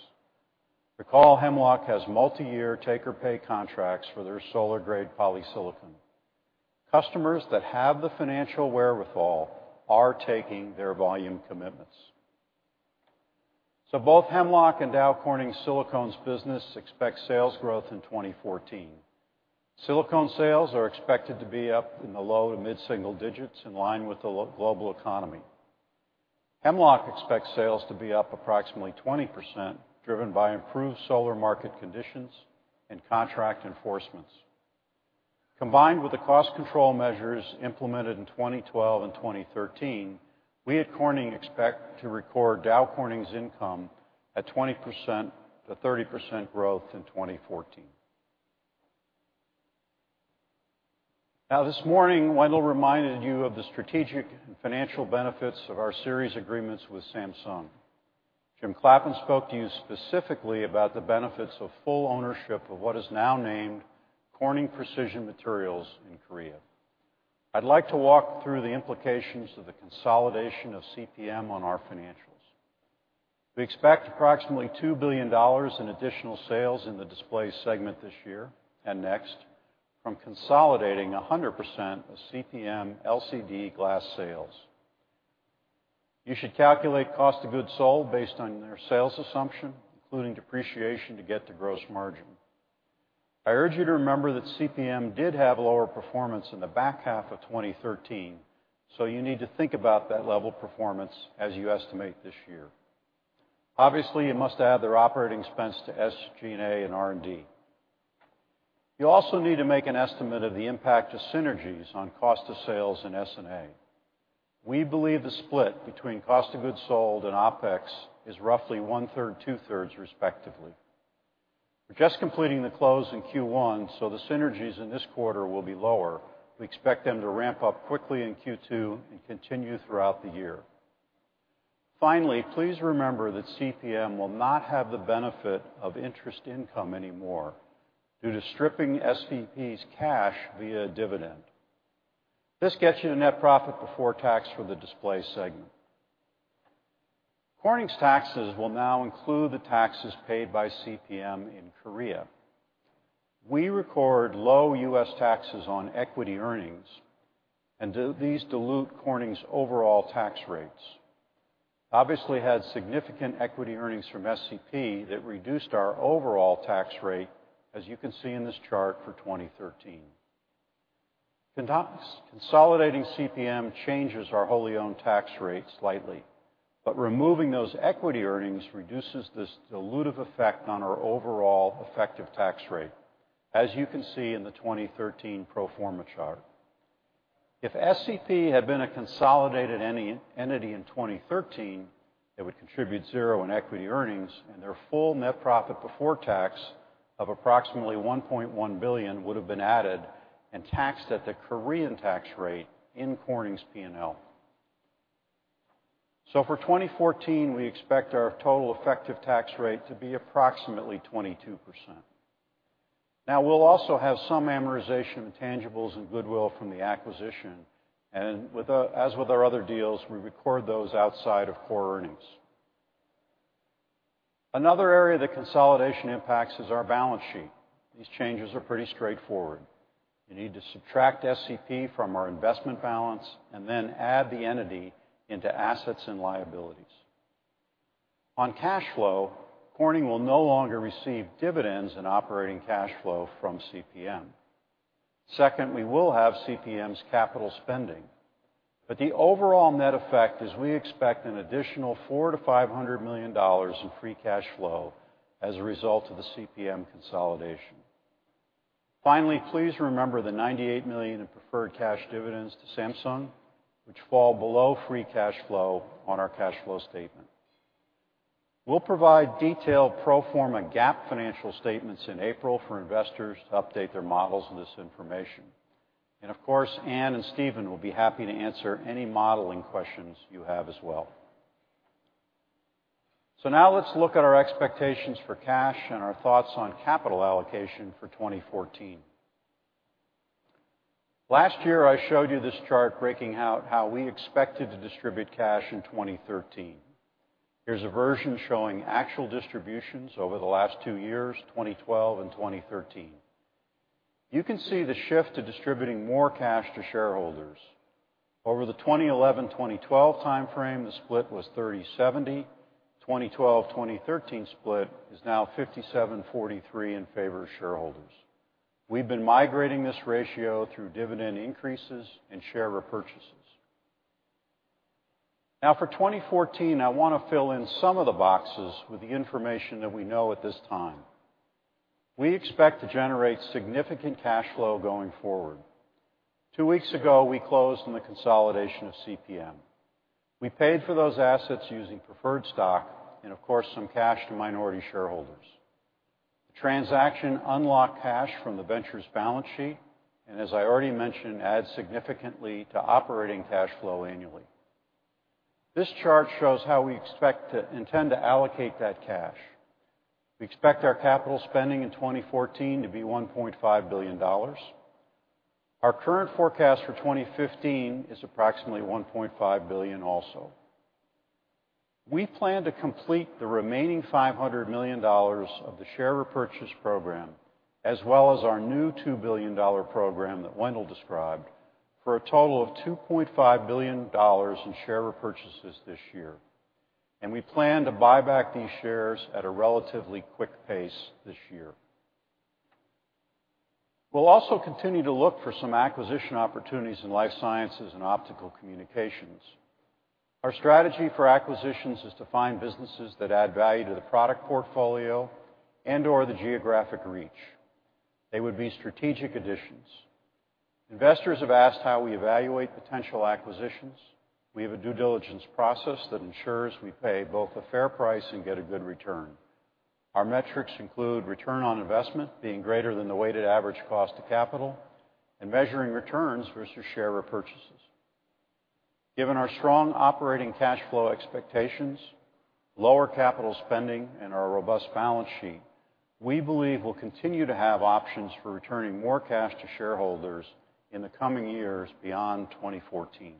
Recall, Hemlock has multi-year take-or-pay contracts for their solar grade polysilicon. Customers that have the financial wherewithal are taking their volume commitments. Both Hemlock and Dow Corning Silicones business expect sales growth in 2014. Silicone sales are expected to be up in the low to mid-single digits in line with the global economy. Hemlock expects sales to be up approximately 20%, driven by improved solar market conditions and contract enforcements. Combined with the cost control measures implemented in 2012 and 2013, we at Corning expect to record Dow Corning's income at 20%-30% growth in 2014. This morning, Wendell reminded you of the strategic and financial benefits of our series agreements with Samsung. Jim Clappin spoke to you specifically about the benefits of full ownership of what is now named Corning Precision Materials in Korea. I'd like to walk through the implications of the consolidation of CPM on our financials. We expect approximately $2 billion in additional sales in the display segment this year and next from consolidating 100% of CPM LCD glass sales. You should calculate cost of goods sold based on their sales assumption, including depreciation, to get to gross margin. I urge you to remember that CPM did have lower performance in the back half of 2013, you need to think about that level of performance as you estimate this year. You must add their operating expense to SG&A and R&D. You also need to make an estimate of the impact of synergies on cost of sales and S&A. We believe the split between cost of goods sold and OpEx is roughly one-third, two-thirds respectively. We're just completing the close in Q1, the synergies in this quarter will be lower. We expect them to ramp up quickly in Q2 and continue throughout the year. Please remember that CPM will not have the benefit of interest income anymore due to stripping SCP's cash via a dividend. This gets you to net profit before tax for the display segment. Corning's taxes will now include the taxes paid by CPM in Korea. We record low U.S. taxes on equity earnings, these dilute Corning's overall tax rates. Had significant equity earnings from SCP that reduced our overall tax rate, as you can see in this chart for 2013. Consolidating CPM changes our wholly owned tax rate slightly, removing those equity earnings reduces this dilutive effect on our overall effective tax rate, as you can see in the 2013 pro forma chart. If SCP had been a consolidated entity in 2013, it would contribute zero in equity earnings, and their full net profit before tax of approximately $1.1 billion would have been added and taxed at the Korean tax rate in Corning's P&L. For 2014, we expect our total effective tax rate to be approximately 22%. We'll also have some amortization of tangibles and goodwill from the acquisition, as with our other deals, we record those outside of core earnings. Another area that consolidation impacts is our balance sheet. These changes are pretty straightforward. You need to subtract SCP from our investment balance and then add the entity into assets and liabilities. On cash flow, Corning will no longer receive dividends and operating cash flow from CPM. Second, we will have CPM's capital spending. The overall net effect is we expect an additional $400 million-$500 million in free cash flow as a result of the CPM consolidation. Please remember the $98 million in preferred cash dividends to Samsung, which fall below free cash flow on our cash flow statement. We'll provide detailed pro forma GAAP financial statements in April for investors to update their models with this information. Ann and Stephen will be happy to answer any modeling questions you have as well. Now let's look at our expectations for cash and our thoughts on capital allocation for 2014. Last year, I showed you this chart breaking out how we expected to distribute cash in 2013. Here's a version showing actual distributions over the last two years, 2012 and 2013. You can see the shift to distributing more cash to shareholders. Over the 2011-2012 timeframe, the split was 30/70. The 2012-2013 split is now 57/43 in favor of shareholders. We've been migrating this ratio through dividend increases and share repurchases. Now for 2014, I want to fill in some of the boxes with the information that we know at this time. We expect to generate significant cash flow going forward. Two weeks ago, we closed on the consolidation of CPM. We paid for those assets using preferred stock, of course, some cash to minority shareholders. The transaction unlocked cash from the venture's balance sheet, as I already mentioned, adds significantly to operating cash flow annually. This chart shows how we intend to allocate that cash. We expect our capital spending in 2014 to be $1.5 billion. Our current forecast for 2015 is approximately $1.5 billion also. We plan to complete the remaining $500 million of the share repurchase program, as well as our new $2 billion program that Wendell described, for a total of $2.5 billion in share repurchases this year. We plan to buy back these shares at a relatively quick pace this year. We'll also continue to look for some acquisition opportunities in Life Sciences and Optical Communications. Our strategy for acquisitions is to find businesses that add value to the product portfolio and/or the geographic reach. They would be strategic additions. Investors have asked how we evaluate potential acquisitions. We have a due diligence process that ensures we pay both a fair price and get a good return. Our metrics include return on investment being greater than the weighted average cost of capital and measuring returns versus share repurchases. Given our strong operating cash flow expectations, lower capital spending, and our robust balance sheet, we believe we'll continue to have options for returning more cash to shareholders in the coming years beyond 2014.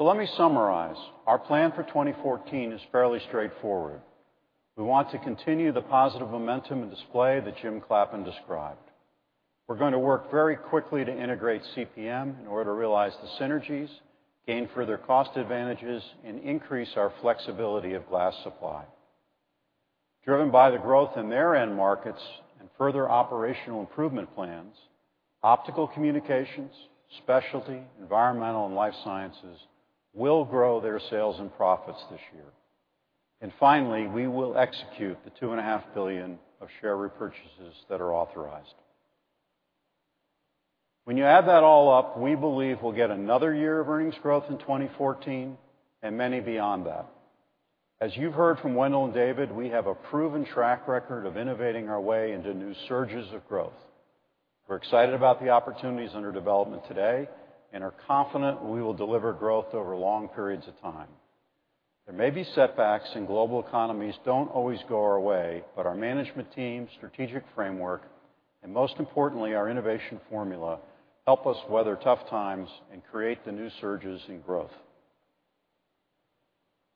Let me summarize. Our plan for 2014 is fairly straightforward. We want to continue the positive momentum and display that Jim Clappin described. We're going to work very quickly to integrate CPM in order to realize the synergies, gain further cost advantages, and increase our flexibility of glass supply. Driven by the growth in their end markets and further operational improvement plans, Optical Communications, Specialty, Environmental, and Life Sciences will grow their sales and profits this year. Finally, we will execute the $2.5 billion of share repurchases that are authorized. When you add that all up, we believe we'll get another year of earnings growth in 2014 and many beyond that. As you've heard from Wendell and David, we have a proven track record of innovating our way into new surges of growth. We're excited about the opportunities under development today and are confident we will deliver growth over long periods of time. There may be setbacks, and global economies don't always go our way, but our management team, strategic framework, and most importantly, our innovation formula, help us weather tough times and create the new surges in growth.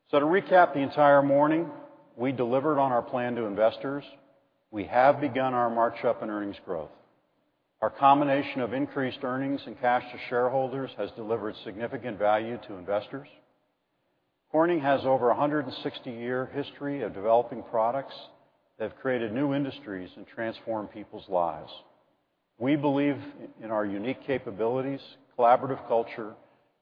To recap the entire morning, we delivered on our plan to investors. We have begun our march up in earnings growth. Our combination of increased earnings and cash to shareholders has delivered significant value to investors. Corning has over 160-year history of developing products that have created new industries and transformed people's lives. We believe in our unique capabilities, collaborative culture,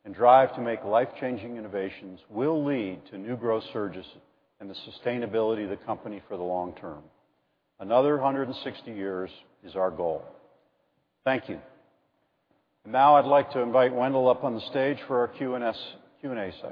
and drive to make life-changing innovations will lead to new growth surges and the sustainability of the company for the long term. Another 160 years is our goal. Thank you. Now I'd like to invite Wendell up on the stage for our Q&A session.